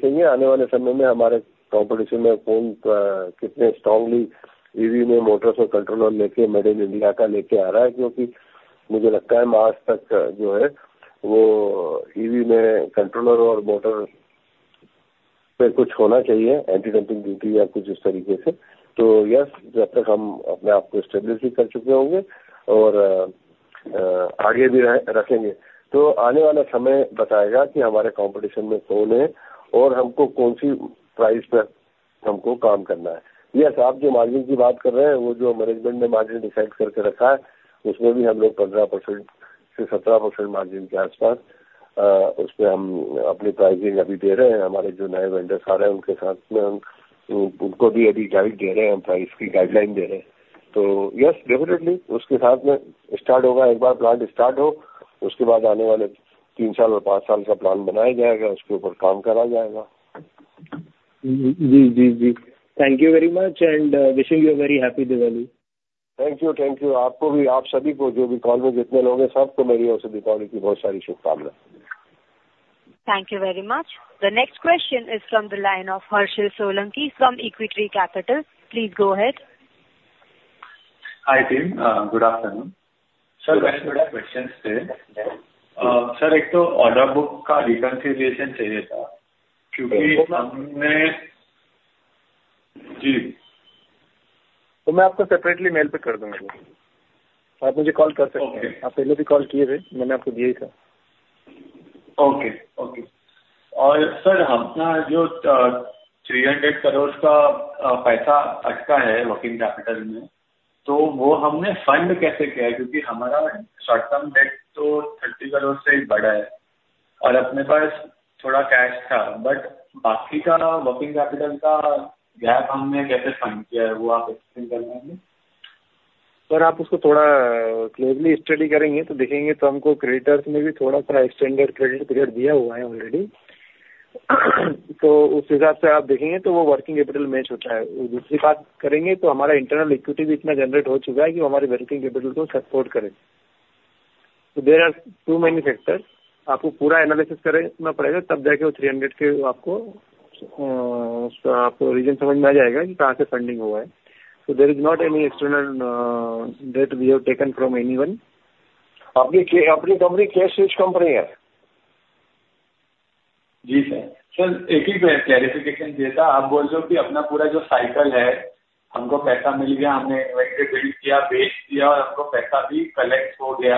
you, thank you. आपको भी, आप सभी को, जो भी कॉल में जितने लोग हैं, सबको मेरी ओर से दिवाली की बहुत सारी शुभकामनाएं। Thank you very much. The next question is from the line of Harshal Solanki from Equity Capital. Please go ahead. Hi, team. Good afternoon. Sir, question था। सर, एक तो ऑर्डर बुक का रिकंसिलिएशन चाहिए था क्योंकि हमने जी। तो मैं आपको अलग से मेल पर कर दूंगा। आप मुझे कॉल कर सकते हैं। आप पहले भी कॉल किए थे, मैंने आपको दिया ही था। Okay, okay. और सर, हमारा जो ₹300 करोड़ का पैसा अटका है वर्किंग कैपिटल में, तो वो हमने फंड कैसे किया है? क्योंकि हमारा शॉर्ट टर्म डेट तो ₹30 करोड़ से भी बड़ा है और अपने पास थोड़ा कैश था। बट बाकी का वर्किंग कैपिटल का गैप हमने कैसे फंड किया है, वो आप एक्सप्लेन कर पाएंगे? सर, आप उसको थोड़ा क्लियरली स्टडी करेंगे तो देखेंगे। हमको क्रेडिटर्स में भी थोड़ा सा एक्सटेंडेड क्रेडिट पीरियड दिया हुआ है ऑलरेडी। उस हिसाब से आप देखेंगे तो वो वर्किंग कैपिटल मैच होता है। दूसरी बात करेंगे तो हमारा इंटरनल इक्विटी भी इतना जनरेट हो चुका है कि वो हमारी वर्किंग कैपिटल को सपोर्ट करे। There are too many factors. आपको पूरा एनालिसिस करना पड़ेगा, तब जाके वो 300 के आपको रीजन समझ में आ जाएगा कि कहां से फंडिंग हुआ है। There is not any external debt we have taken from anyone. अपनी अपनी कंपनी केस स्विच कंपनी है। जी, सर। सर, एक ही क्लेरिफिकेशन चाहिए था। आप बोल रहे हो कि अपना पूरा जो साइकल है, हमको पैसा मिल गया, हमने इन्वेस्टमेंट किया, बेच दिया और हमको पैसा भी कलेक्ट हो गया।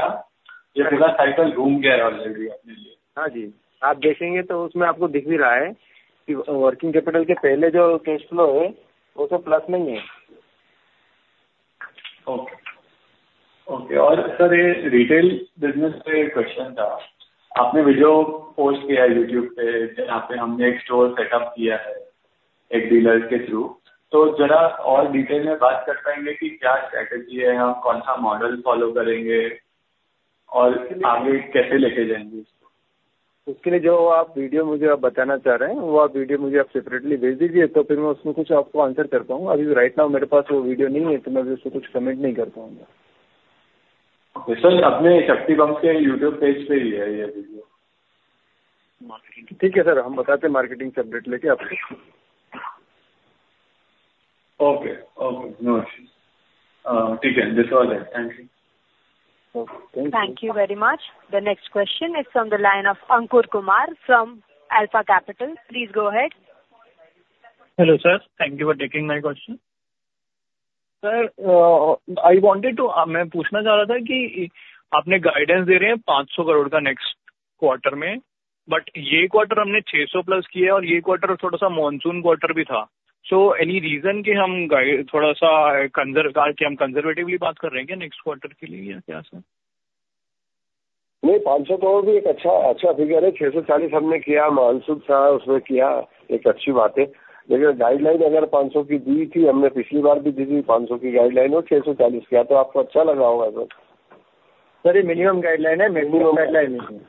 ये पूरा साइकल घूम गया है ऑलरेडी अपने लिए। हां जी, आप देखेंगे तो उसमें आपको दिख भी रहा है कि वर्किंग कैपिटल के पहले जो कैश फ्लो है, वो तो प्लस में ही है। Okay, okay. और सर, ये रिटेल बिजनेस पे क्वेश्चन था। आपने वीडियो पोस्ट किया है YouTube पे, जहां पे हमने एक स्टोर सेटअप किया है एक डीलर के थ्रू। तो जरा और डिटेल में बात कर पाएंगे कि क्या स्ट्रेटेजी है, हम कौन सा मॉडल फॉलो करेंगे और आगे कैसे लेके जाएंगे इसको? उसके लिए जो आप वीडियो मुझे आप बताना चाह रहे हैं, वो आप वीडियो मुझे आप अलग से भेज दीजिए, तो फिर मैं उसमें कुछ आपको उत्तर कर पाऊंगा। अभी इस समय मेरे पास वो वीडियो नहीं है, तो मैं भी उसको कुछ टिप्पणी नहीं कर पाऊंगा। Okay, sir. आपके शक्ति बम्स के YouTube पेज पे ही है ये वीडियो। मार्केटिंग। ठीक है, सर। हम बताते हैं मार्केटिंग सेपरेट लेकर आपको। Okay, okay. नो, ठीक है। This all it. Thank you. Thank you very much. The next question is from the line of Ankur Kumar from Alpha Capital. Please go ahead. Hello, sir. Thank you for taking my question. Sir, I wanted to मैं पूछना चाह रहा था कि आपने guidance दे रहे हैं ₹500 करोड़ का नेक्स्ट क्वार्टर में, बट ये क्वार्टर हमने ₹600 प्लस किया है और ये क्वार्टर थोड़ा सा मानसून क्वार्टर भी था। सो, एनी रीजन कि हम गाइड थोड़ा सा कंजर्वेटिवली बात कर रहे हैं क्या नेक्स्ट क्वार्टर के लिए या क्या सर? नहीं, ₹500 करोड़ भी एक अच्छा फिगर है। ₹640 करोड़ हमने किया, मानसून था, उसमें किया एक अच्छी बात है। लेकिन गाइडलाइन अगर ₹500 करोड़ की दी थी, हमने पिछली बार भी दी थी ₹500 करोड़ की गाइडलाइन और ₹640 करोड़ किया, तो आपको अच्छा लगा होगा सर। सर, ये मिनिमम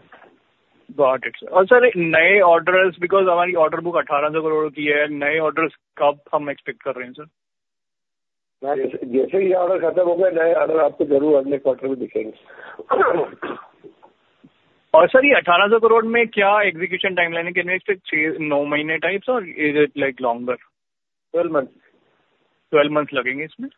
गाइडलाइन है। मिनिमम गाइडलाइन नहीं है। Got it, sir. और सर, नए ऑर्डर्स के बारे में क्योंकि हमारी ऑर्डर बुक INR 1,800 करोड़ की है। नए ऑर्डर्स कब हम एक्सपेक्ट कर रहे हैं सर? जैसे ही ये ऑर्डर खत्म हो गए, नए ऑर्डर आपको जरूर अगले क्वार्टर में दिखेंगे। और सर, ये 1,800 करोड़ में क्या execution timeline है? कितने? 6, 9 महीने types और is it like longer? 12 महीने। 12 महीने लगेंगे इसमें?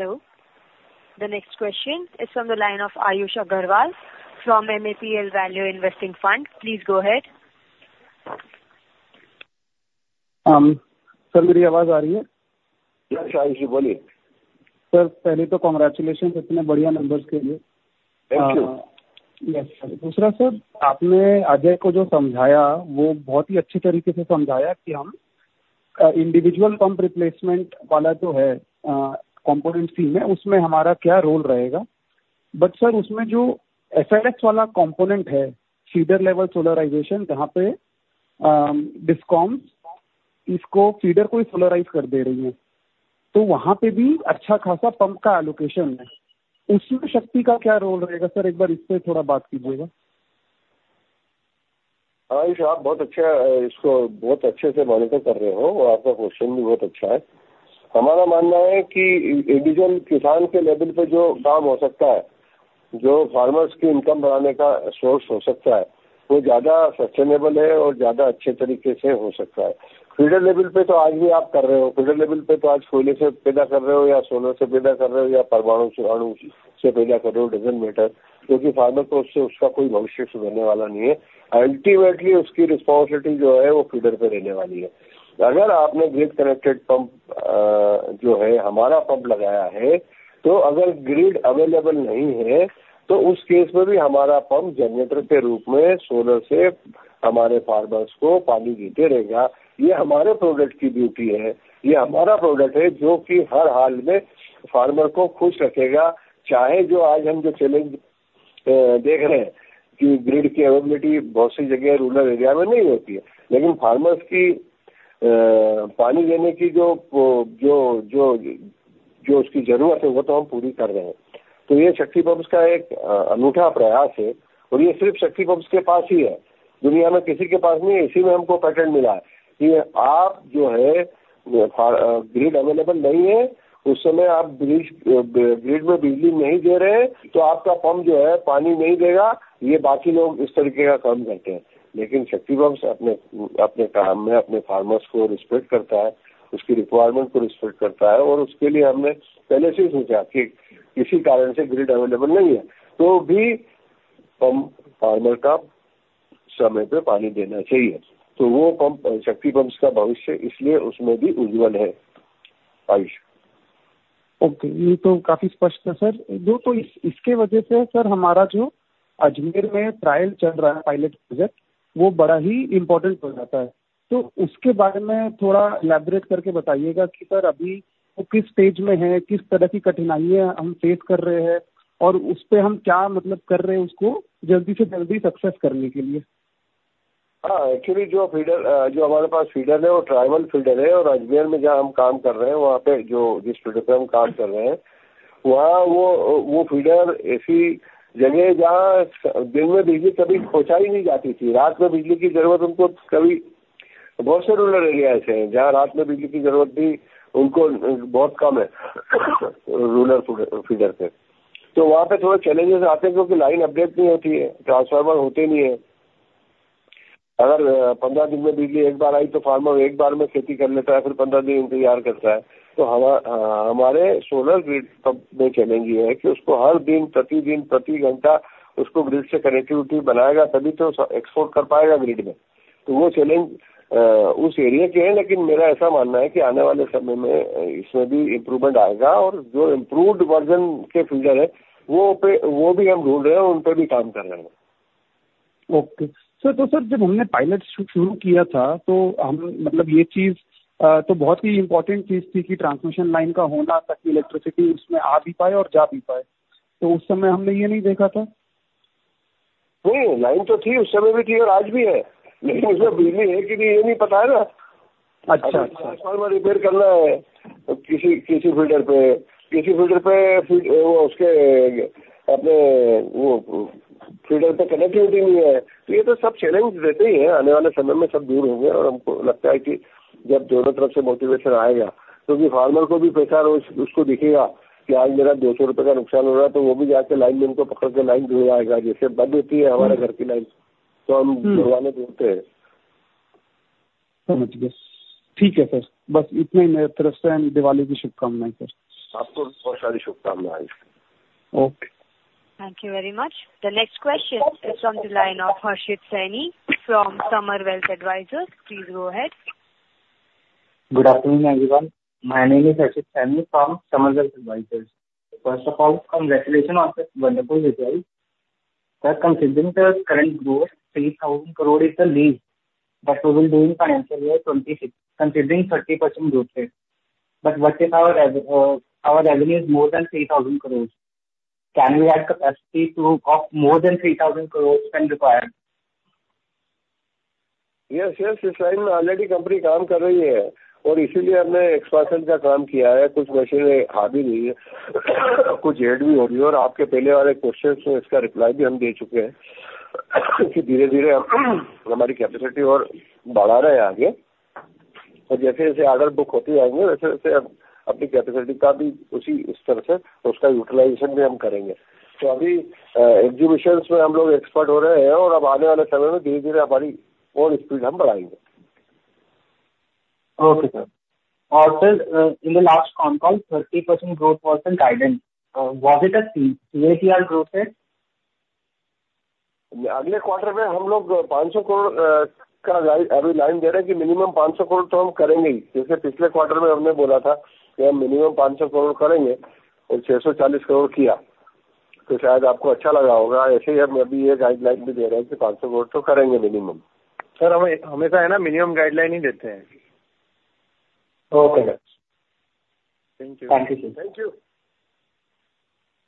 हाँ। Got it. Thank you and all good. Hello. अगला प्रश्न आयुषा गढ़वाल की लाइन से है जो MAPLE Value Investing Fund से हैं। कृपया आगे बढ़ें। सर, मेरी आवाज आ रही है? हाँ, आयुष जी, बोलिए। सर, पहले तो कांग्रेचुलेशन्स इतने बढ़िया नंबर्स के लिए। धन्यवाद। जी हाँ, सर। दूसरा, सर, आपने अजय को जो समझाया, वो बहुत ही अच्छे तरीके से समझाया कि हम इंडिविजुअल पंप रिप्लेसमेंट वाला जो है कॉम्पोनेंट सी में, उसमें हमारा क्या रोल रहेगा। लेकिन सर, उसमें जो SRS वाला कॉम्पोनेंट है, फीडर लेवल सोलराइजेशन, जहाँ पे DISCOMs इसको फीडर को ही सोलराइज़ कर दे रही है, तो वहाँ पे भी अच्छा खासा पंप का एलोकेशन है। उसमें शक्ति का क्या रोल रहेगा? सर, एक बार इस पे थोड़ा बात कीजिएगा। आयुष, आप बहुत अच्छा इसको बहुत अच्छे से मॉनिटर कर रहे हो और आपका क्वेश्चन भी बहुत अच्छा है। हमारा मानना है कि इंडिविजुअल किसान के लेवल पे जो काम हो सकता है, जो फार्मर्स की इनकम बढ़ाने का सोर्स हो सकता है, वो ज्यादा सस्टेनेबल है और ज्यादा अच्छे तरीके से हो सकता है। फीडर लेवल पे तो आज भी आप कर रहे हो। फीडर लेवल पे तो आज कोयले से पैदा कर रहे हो या सोना से पैदा कर रहे हो या परमाणु चिराणु से पैदा कर रहे हो, डजंट मैटर, क्योंकि फार्मर को उससे उसका कोई भविष्य सुधरने वाला नहीं है। अल्टीमेटली उसकी रिस्पांसिबिलिटी जो है, वो फीडर पे रहने वाली है। अगर आपने ग्रिड कनेक्टेड पंप जो है, हमारा पंप लगाया है, तो अगर ग्रिड अवेलेबल नहीं है, तो उस केस में भी हमारा पंप जनरेटर के रूप में सोलर से हमारे फार्मर्स को पानी देते रहेगा। ये हमारे प्रोडक्ट की ड्यूटी है। ये हमारा प्रोडक्ट है, जो कि हर हाल में फार्मर को खुश रखेगा। चाहे जो आज हम जो चैलेंज देख रहे हैं कि ग्रिड की अवेलेबिलिटी बहुत सी जगह रूरल एरिया में नहीं होती है, लेकिन फार्मर्स की पानी देने की जो उसकी जरूरत है, वो तो हम पूरी कर रहे हैं। तो ये शक्ति पंप का एक अनूठा प्रयास है और ये सिर्फ शक्ति पंप के पास ही है। दुनिया में किसी के पास नहीं है। इसी में हमको पैटेंट मिला है कि आप जो है, ग्रिड अवेलेबल नहीं है, उस समय आप ग्रिड में बिजली नहीं दे रहे हैं, तो आपका पंप जो है, पानी नहीं देगा। ये बाकी लोग इस तरीके का काम करते हैं। लेकिन शक्ति पंप अपने काम में, अपने फार्मर्स को रिस्पेक्ट करता है, उसकी रिक्वायरमेंट को रिस्पेक्ट करता है। और उसके लिए हमने पहले से ही सोचा कि किसी कारण से ग्रिड अवेलेबल नहीं है, तो भी पंप फार्मर का समय पे पानी देना चाहिए। तो वो पंप शक्ति पंप का भविष्य इसलिए उसमें भी उज्जवल है। आयुष, ओके, ये तो काफी स्पष्ट था। सर, इसके वजह से सर, हमारा जो अजमेर में ट्रायल चल रहा है, पायलट प्रोजेक्ट, वो बड़ा ही इंपॉर्टेंट हो जाता है। तो उसके बारे में थोड़ा विस्तार से बताइएगा कि सर, अभी वो किस स्टेज में है, किस तरह की कठिनाइयां हम फेस कर रहे हैं और उस पे हम क्या कर रहे हैं, उसको जल्दी से जल्दी सक्सेस करने के लिए। हां, एक्चुअली जो फीडर, जो हमारे पास फीडर है, वो ट्राइबल फीडर है। और अजमेर में, जहां हम काम कर रहे हैं, वहां पे जिस फीडर पे हम काम कर रहे हैं, वहां वो फीडर ऐसी जगह है, जहां दिन में बिजली कभी पहुंचाई नहीं जाती थी। रात में बिजली की जरूरत उनको कभी बहुत से रूरल एरिया ऐसे हैं, जहां रात में बिजली की जरूरत भी उनको बहुत कम है। रूरल फीडर पे तो वहां पे थोड़े चैलेंजेस आते हैं, क्योंकि लाइन अपग्रेड नहीं होती है, ट्रांसफार्मर होते नहीं है। अगर 15 दिन में बिजली एक बार आई, तो फार्मर एक बार में खेती कर लेता है, फिर 15 दिन इंतजार करता है। तो हमारे सोलर ग्रिड में चैलेंज ये है कि उसको हर दिन, प्रतिदिन, प्रति घंटा, उसको ग्रिड से कनेक्टिविटी बनानी पड़ेगी, तभी तो एक्सपोर्ट कर पाएगा ग्रिड में। तो वो चैलेंज उस एरिया के हैं। लेकिन मेरा ऐसा मानना है कि आने वाले समय में इसमें भी इंप्रूवमेंट आएगा और जो इंप्रूव्ड वर्जन के फीडर हैं, वो पे भी हम ढूंढ रहे हैं और उन पे भी काम कर रहे हैं। Okay, sir. तो सर, जब हमने पायलट शुरू किया था, तो हम मतलब ये चीज तो बहुत ही इंपॉर्टेंट चीज थी कि ट्रांसमिशन लाइन का होना, ताकि इलेक्ट्रिसिटी उसमें आ भी पाए और जा भी पाए। तो उस समय हमने ये नहीं देखा था। नहीं, लाइन तो थी, उस समय भी थी और आज भी है। लेकिन उसमें बिजली है कि नहीं, ये नहीं पता है ना। अच्छा, ट्रांसफार्मर रिपेयर करना है, किसी किसी फीडर पे, किसी फीडर पे, वो उसके अपने वो फीडर पे कनेक्टिविटी नहीं है। तो ये तो सब चैलेंज रहते ही हैं। आने वाले समय में सब दूर होंगे और हमको लगता है कि जब दोनों तरफ से मोटिवेशन आएगा, तो भी फार्मर को भी पैसा रोज उसको दिखेगा कि आज मेरा ₹200 का नुकसान हो रहा है, तो वो भी जाके लाइन में उनको पकड़ के लाइन जुड़वाएगा। जैसे बंद होती है हमारे घर की लाइन, तो हम जुड़वाने ढूंढते हैं। समझ गया। ठीक है, सर। बस इतना ही मेरी तरफ से और दिवाली की शुभकामनाएं, सर। आपको बहुत सारी शुभकामनाएं। Okay, thank you very much. The next question is from the line of Harshit Saini from Samar Wealth Advisors. Please go ahead. Good afternoon everyone. My name is Harshit Saini from Samar Wealth Advisors. First of all, congratulation on this wonderful result. Sir, considering the current growth, 3000 crore is the leave that we will do in financial year 26। Considering 30% growth rate, but what if our revenue is more than INR 3000 crore? Can we have capacity to offer more than INR 3000 crore when required? हाँ, हाँ, इस समय पहले से ही company काम कर रही है और इसीलिए हमने विस्तार का काम किया है। कुछ मशीनें भारी हुई हैं, कुछ जोड़ी भी हो रही हैं और आपके पहले वाले प्रश्नों में इसका उत्तर भी हम दे चुके हैं कि धीरे-धीरे हमारी क्षमता और बढ़ा रहे हैं आगे। जैसे-जैसे ऑर्डर बुक होते जाएंगे, वैसे-वैसे अपनी क्षमता का भी उसी तरह से उसका उपयोग भी हम करेंगे। तो अभी विस्तार में हम लोग विशेषज्ञ हो रहे हैं और अब आने वाले समय में धीरे-धीरे हमारी और गति हम बढ़ाएंगे। Okay, sir. और sir, in the last call, 30% growth was an guidance. Was it a C CAGR growth है? अगले क्वार्टर में हम लोग 500 करोड़ का अभी लाइन दे रहे हैं कि मिनिमम 500 करोड़ तो हम करेंगे ही। जैसे पिछले क्वार्टर में हमने बोला था कि हम मिनिमम 500 करोड़ करेंगे और 640 करोड़ किया। तो शायद आपको अच्छा लगा होगा। ऐसे ही हम अभी ये गाइडलाइन भी दे रहे हैं कि INR 500 करोड़ तो करेंगे मिनिमम। सर, हम हमेशा है ना मिनिमम गाइडलाइन ही देते हैं। Okay, sir. Thank you, thank you, thank you.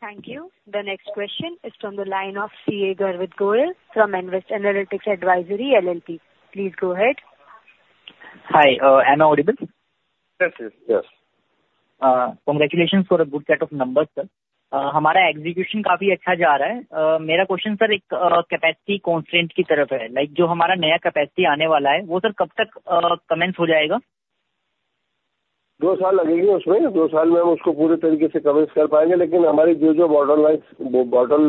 Thank you. The next question is from the line of CA Garvit Goyal from Invest Analytics Advisory LLP. Please go ahead. Hi, an audible? हाँ, हाँ, हाँ। Congratulations for a good set of numbers, sir. हमारा execution काफी अच्छा जा रहा है। मेरा क्वेश्चन, सर, एक कैपेसिटी कांस्टेंट की तरफ है। लाइक, जो हमारा नया कैपेसिटी आने वाला है, वो सर कब तक कमेंस हो जाएगा? दो साल लगेंगे उसमें। दो साल में हम उसको पूरे तरीके से commence कर पाएंगे। लेकिन हमारी जो-जो bottle lines, वो bottle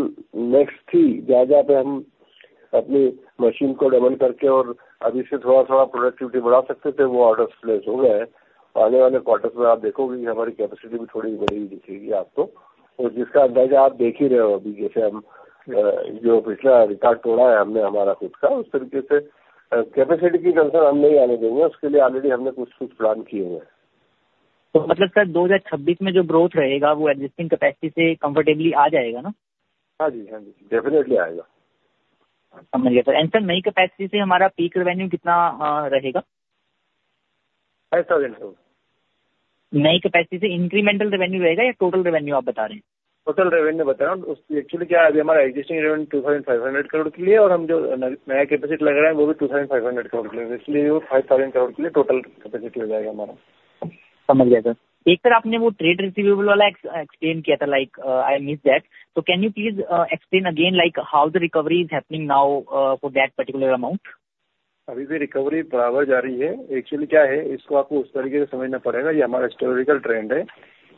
necks थीं, जहां-जहां पे हम अपनी machine को dismantle करके और अभी से थोड़ा-थोड़ा productivity बढ़ा सकते थे, वो orders place हो गए हैं। आने वाले quarters में आप देखेंगे कि हमारी capacity भी थोड़ी बड़ी दिखेगी आपको। और जिसका अंदाजा आप देख ही रहे हो, अभी जैसे हम जो पिछला record तोड़ा है, हमने हमारा खुद का उस तरीके से capacity की concern हम नहीं आने देंगे। उसके लिए already हमने कुछ-कुछ plan किए हुए हैं। तो मतलब सर, 2026 में जो ग्रोथ रहेगा, वो एक्जिस्टिंग कैपेसिटी से कंफर्टेबली आ जाएगा ना? हां जी, हां जी, डेफिनिटली आएगा। समझ गया, सर। और सर, नई कैपेसिटी से हमारा पीक रेवेन्यू कितना रहेगा? INR 8,000 crore. नई कैपेसिटी से इंक्रीमेंटल रेवेन्यू रहेगा या टोटल रेवेन्यू आप बता रहे हैं? टोटल रेवेन्यू बता रहा हूं। उस एक्चुअली क्या है, अभी हमारा एक्सिस्टिंग रेवेन्यू INR 2,500 करोड़ के लिए है और हम जो नया कैपेसिटी लग रहा है, वो भी INR 2,500 करोड़ के लिए। इसलिए वो INR 5,000 करोड़ के लिए टोटल कैपेसिटी हो जाएगा हमारा। समझ गया, सर। एक सर, आपने वो trade receivable वाला explain किया था, like, I miss that. So, can you please explain again, like, how the recovery is happening now for that particular amount? अभी भी रिकवरी बराबर जा रही है। एक्चुअली क्या है, इसको आपको उस तरीके से समझना पड़ेगा। ये हमारा हिस्टोरिकल ट्रेंड है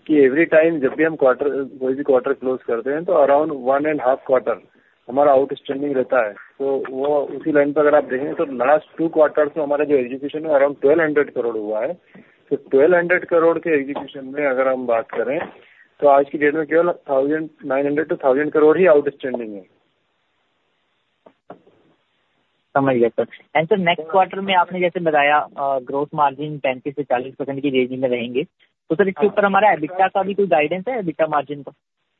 कि एवरी टाइम जब भी हम क्वार्टर, कोई भी क्वार्टर क्लोज़ करते हैं, तो around one and half quarter हमारा आउटस्टैंडिंग रहता है। तो वो उसी लाइन पे अगर आप देखेंगे, तो लास्ट टू क्वार्टर्स में हमारा जो एग्जीक्यूशन है, अराउंड ₹1,200 करोड़ हुआ है। तो ₹1,200 करोड़ के एग्जीक्यूशन में अगर हम बात करें, तो आज की डेट में केवल ₹900 से ₹1,000 करोड़ ही आउटस्टैंडिंग है। समझ गया, सर। और सर, नेक्स्ट क्वार्टर में आपने जैसे बताया, ग्रोथ मार्जिन 35 से 40% की रेंज में रहेंगे। तो सर, इसके ऊपर हमारा EBITDA का भी कोई गाइडेंस है? EBITDA मार्जिन का?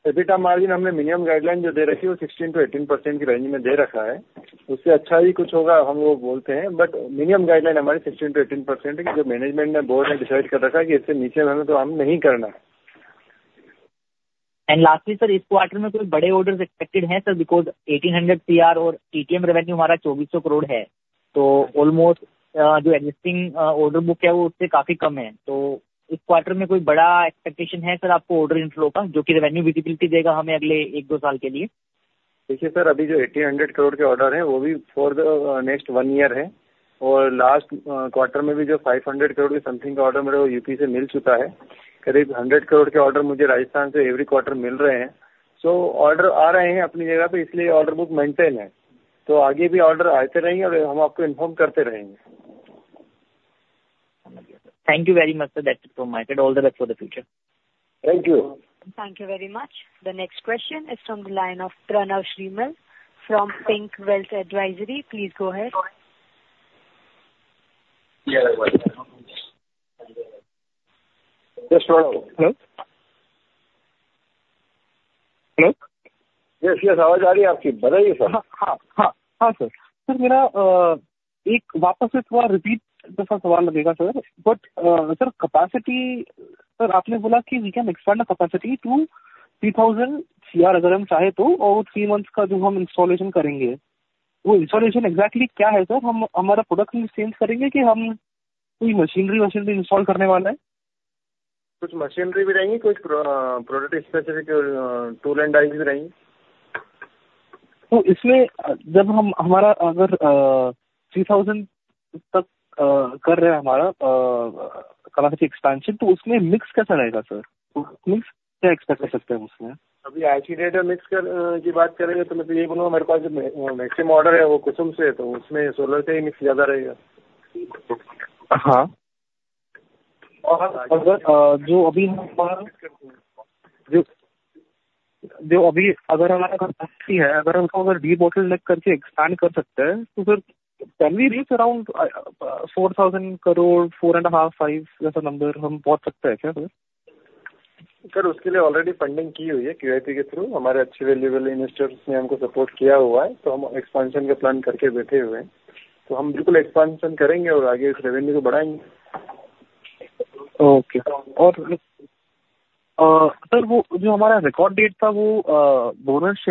EBITDA मार्जिन हमने मिनिमम गाइडलाइन जो दे रखी है, वो 16% से 18% की रेंज में दे रखा है। उससे अच्छा भी कुछ होगा, हम वो बोलते हैं। बट मिनिमम गाइडलाइन हमारी 16% से 18% है कि जो मैनेजमेंट ने बोर्ड ने डिसाइड कर रखा है कि इससे नीचे में हमें तो हम नहीं करना है। And lastly, sir, इस quarter में कोई बड़े orders expected हैं, sir? Because ₹1,800 crore और ATM revenue हमारा ₹2,400 crore है। तो almost जो existing order book है, वो उससे काफी कम है। तो इस quarter में कोई बड़ा expectation है, sir, आपको order inflow का, जो कि revenue visibility देगा हमें अगले एक-दो साल के लिए? देखिए, सर, अभी जो INR 1,800 करोड़ के ऑर्डर हैं, वो भी अगले एक साल के लिए हैं। पिछली तिमाही में भी जो 500 करोड़ के लगभग का ऑर्डर मुझे उत्तर प्रदेश से मिल चुका है। करीब 100 करोड़ के ऑर्डर मुझे राजस्थान से हर तिमाही मिल रहे हैं। तो, ऑर्डर अपनी जगह पर आ रहे हैं, इसलिए ऑर्डर बुक बना हुआ है। आगे भी ऑर्डर आते रहेंगे और हम आपको सूचित करते रहेंगे। समझ गया। Thank you very much, sir. That's it from my side. All the best for the future. धन्यवाद। Thank you very much. The next question is from the line of Pranav Shrimal from Pink Wealth Advisory. Please go ahead. हाँ, हाँ, आवाज आ रही है आपकी। बताइए, sir. हां, हां, हां, हां, सर। सर, मेरा एक वापस से थोड़ा रिपीट जैसा सवाल लगेगा, sir. But, sir, capacity, sir, आपने बोला कि we can expand the capacity to ₹3,000 crore अगर हम चाहें तो। और वो तीन महीने का जो हम इंस्टॉलेशन करेंगे, वो इंस्टॉलेशन एक्सैक्टली क्या है, सर? हम हमारा प्रोडक्ट हम चेंज करेंगे कि हम कोई मशीनरी, मशीनरी इंस्टॉल करने वाले हैं? कुछ मशीनरी भी रहेंगी, कुछ product specific tool and dies भी रहेंगी। तो इसमें जब हम हमारा अगर 3,000 तक कर रहे हैं, हमारा कैपेसिटी एक्सपेंशन, तो उसमें मिक्स कैसा रहेगा, सर? मिक्स क्या एक्सपेक्ट कर सकते हैं हम उसमें? अभी आज की डेट में मिक्स कर की बात करेंगे, तो मैं तो यही बोलूंगा, मेरे पास जो मैक्सिमम ऑर्डर है, वो कुसुम से है। तो उसमें सोलर से ही मिक्स ज्यादा रहेगा। हां, और सर, जो अभी हमारी कैपेसिटी है, अगर हमको डी-बॉटलनेक करके एक्सपेंड कर सकते हैं, तो सर, क्या हम अराउंड INR 4,000 करोड़, 4.5, 5 जैसे नंबर तक पहुंच सकते हैं, सर? सर, उसके लिए ऑलरेडी फंडिंग की हुई है QIP के थ्रू। हमारे अच्छे वैल्युएबल इन्वेस्टर्स ने हमको सपोर्ट किया हुआ है। तो हम एक्सपेंशन का प्लान करके बैठे हुए हैं। तो हम बिल्कुल एक्सपेंशन करेंगे और आगे इस रेवेन्यू को बढ़ाएंगे। ओके। और सर, वो जो हमारा रिकॉर्ड डेट था, वो बोनस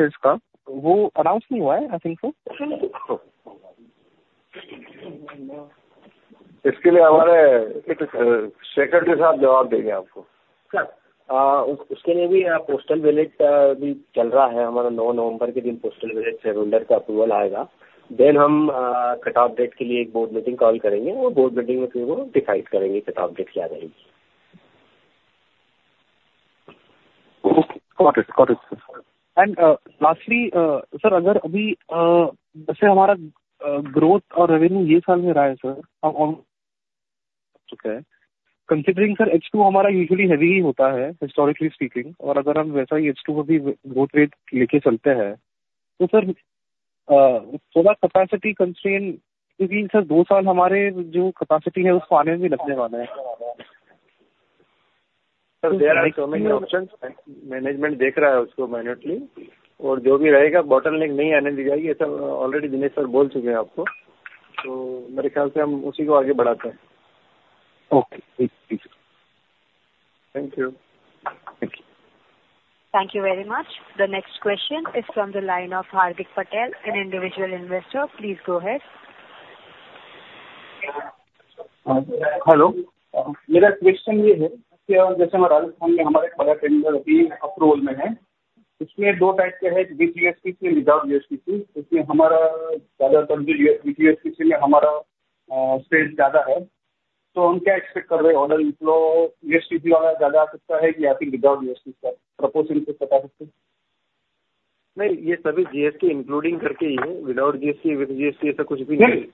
शेयर्स का, वो अनाउंस नहीं हुआ है, आई थिंक सो। इसके लिए हमारे शेखर के साथ जवाब देंगे आपको। सर, उसके लिए भी पोस्टल बैलेट अभी चल रहा है। हमारा 9 नवंबर के दिन पोस्टल बैलेट से रूलर का अप्रूवल आएगा। फिर हम कट ऑफ डेट के लिए एक बोर्ड मीटिंग कॉल करेंगे और बोर्ड मीटिंग में फिर वो डिसाइड करेंगे कट ऑफ डेट क्या रहेगी। Okay, got it, got it. और लास्टली, सर, अगर अभी जैसे हमारा ग्रोथ और रेवेन्यू इस साल में रहा है, सर, अब ऑन हो चुका है। कंसीडरिंग, सर, H2 हमारा यूजुअली हैवी ही होता है, हिस्टोरिकली स्पीकिंग। और अगर हम वैसा ही H2 अभी ग्रोथ रेट लेकर चलते हैं, तो सर, थोड़ा कैपेसिटी कंस्ट्रेन होगा क्योंकि, सर, दो साल हमारी जो कैपेसिटी है, उसको आने में भी लगने वाला है। Sir, there are so many options. Management देख रहा है उसको मैनुअली और जो भी रहेगा, बॉटल नेक नहीं आने दी जाएगी। ऐसा ऑलरेडी दिनेश सर बोल चुके हैं आपको। तो मेरे ख्याल से हम उसी को आगे बढ़ाते हैं। Okay, thank you. धन्यवाद। Thank you very much. The next question is from the line of Hardik Patel, an individual investor. Please go ahead. Hello, मेरा क्वेश्चन ये है कि जैसे हमारा राजस्थान में हमारे पहला ट्रेनर अभी अप्रूवल में है, उसमें दो टाइप के हैं: विद USPCI, विदाउट USPCI। उसमें हमारा ज्यादातर जो USPCI में हमारा स्पेस ज्यादा है, तो हम क्या एक्सपेक्ट कर रहे हैं? ऑर्डर इनफ्लो USPCI वाला ज्यादा आ सकता है कि या फिर विदाउट USPCI का प्रपोर्शन कुछ बता सकते हैं? नहीं, ये सभी GST including करके ही है। Without GST, with GST ऐसा कुछ भी नहीं है। नहीं,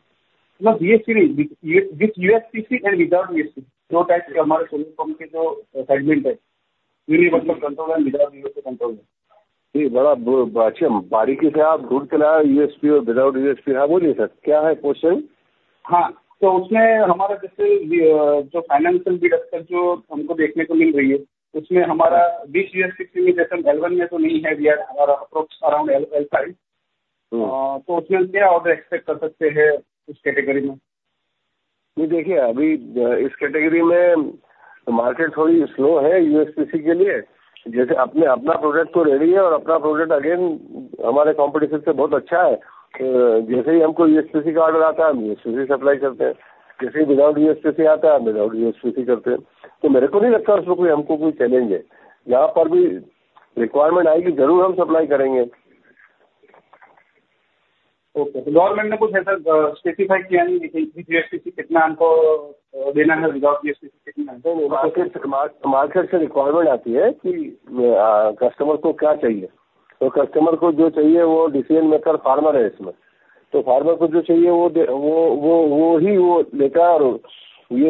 मतलब जीएसटी नहीं, with USPC and without USPC. दो टाइप के हमारे सोनू फॉर्म के जो सेगमेंट हैं, universal control and without USPC control है। जी, बड़ा अच्छा। बारीकी से आप ढूंढ के लाए हो USP और without USP सी। हां, बोलिए सर, क्या है question? हां, तो उसमें हमारा जैसे जो फाइनेंशियल बिड अक्सर जो हमको देखने को मिल रही है, उसमें हमारा 20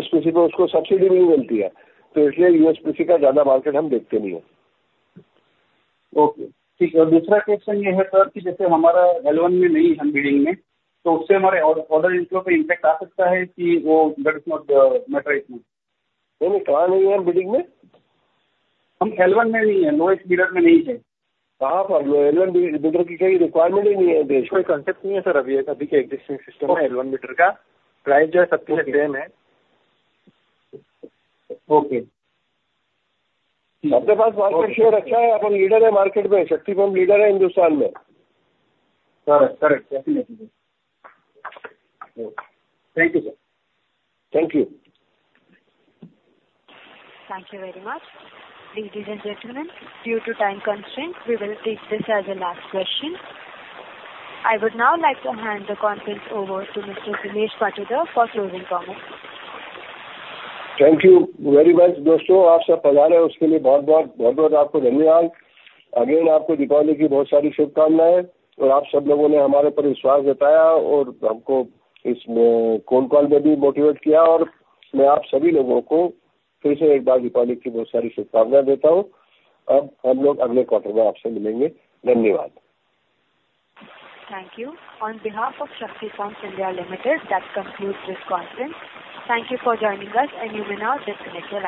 USPSC में जैसे सिस्टम में L1 मीटर का प्राइस जो है, सबके लिए सेम है। ओके, आपके पास मार्केट शेयर अच्छा है। आप लीडर हैं मार्केट में, शक्तिशाली लीडर हैं हिंदुस्तान में। Correct, correct, definitely. Thank you, sir. धन्यवाद। Thank you very much. Dear ladies and gentlemen, due to time constraints, we will take this as a last question. I would now like to hand the conference over to Mr. Dinesh Patil for closing comments. Thank you very much. दोस्तों, आप सब पधारे, उसके लिए बहुत-बहुत, बहुत-बहुत आपको धन्यवाद। आपको दीपावली की बहुत सारी शुभकामनाएं। आप सब लोगों ने हमारे ऊपर विश्वास जताया और हमको इस कूल कॉल में भी मोटिवेट किया। मैं आप सभी लोगों को फिर से एक बार दीपावली की बहुत सारी शुभकामनाएं देता हूं। अब हम लोग अगले क्वार्टर में आपसे मिलेंगे। धन्यवाद। Thank you. On behalf of Shakti P Limited, that concludes this conference. Thank you for joining us, and you win our definitely.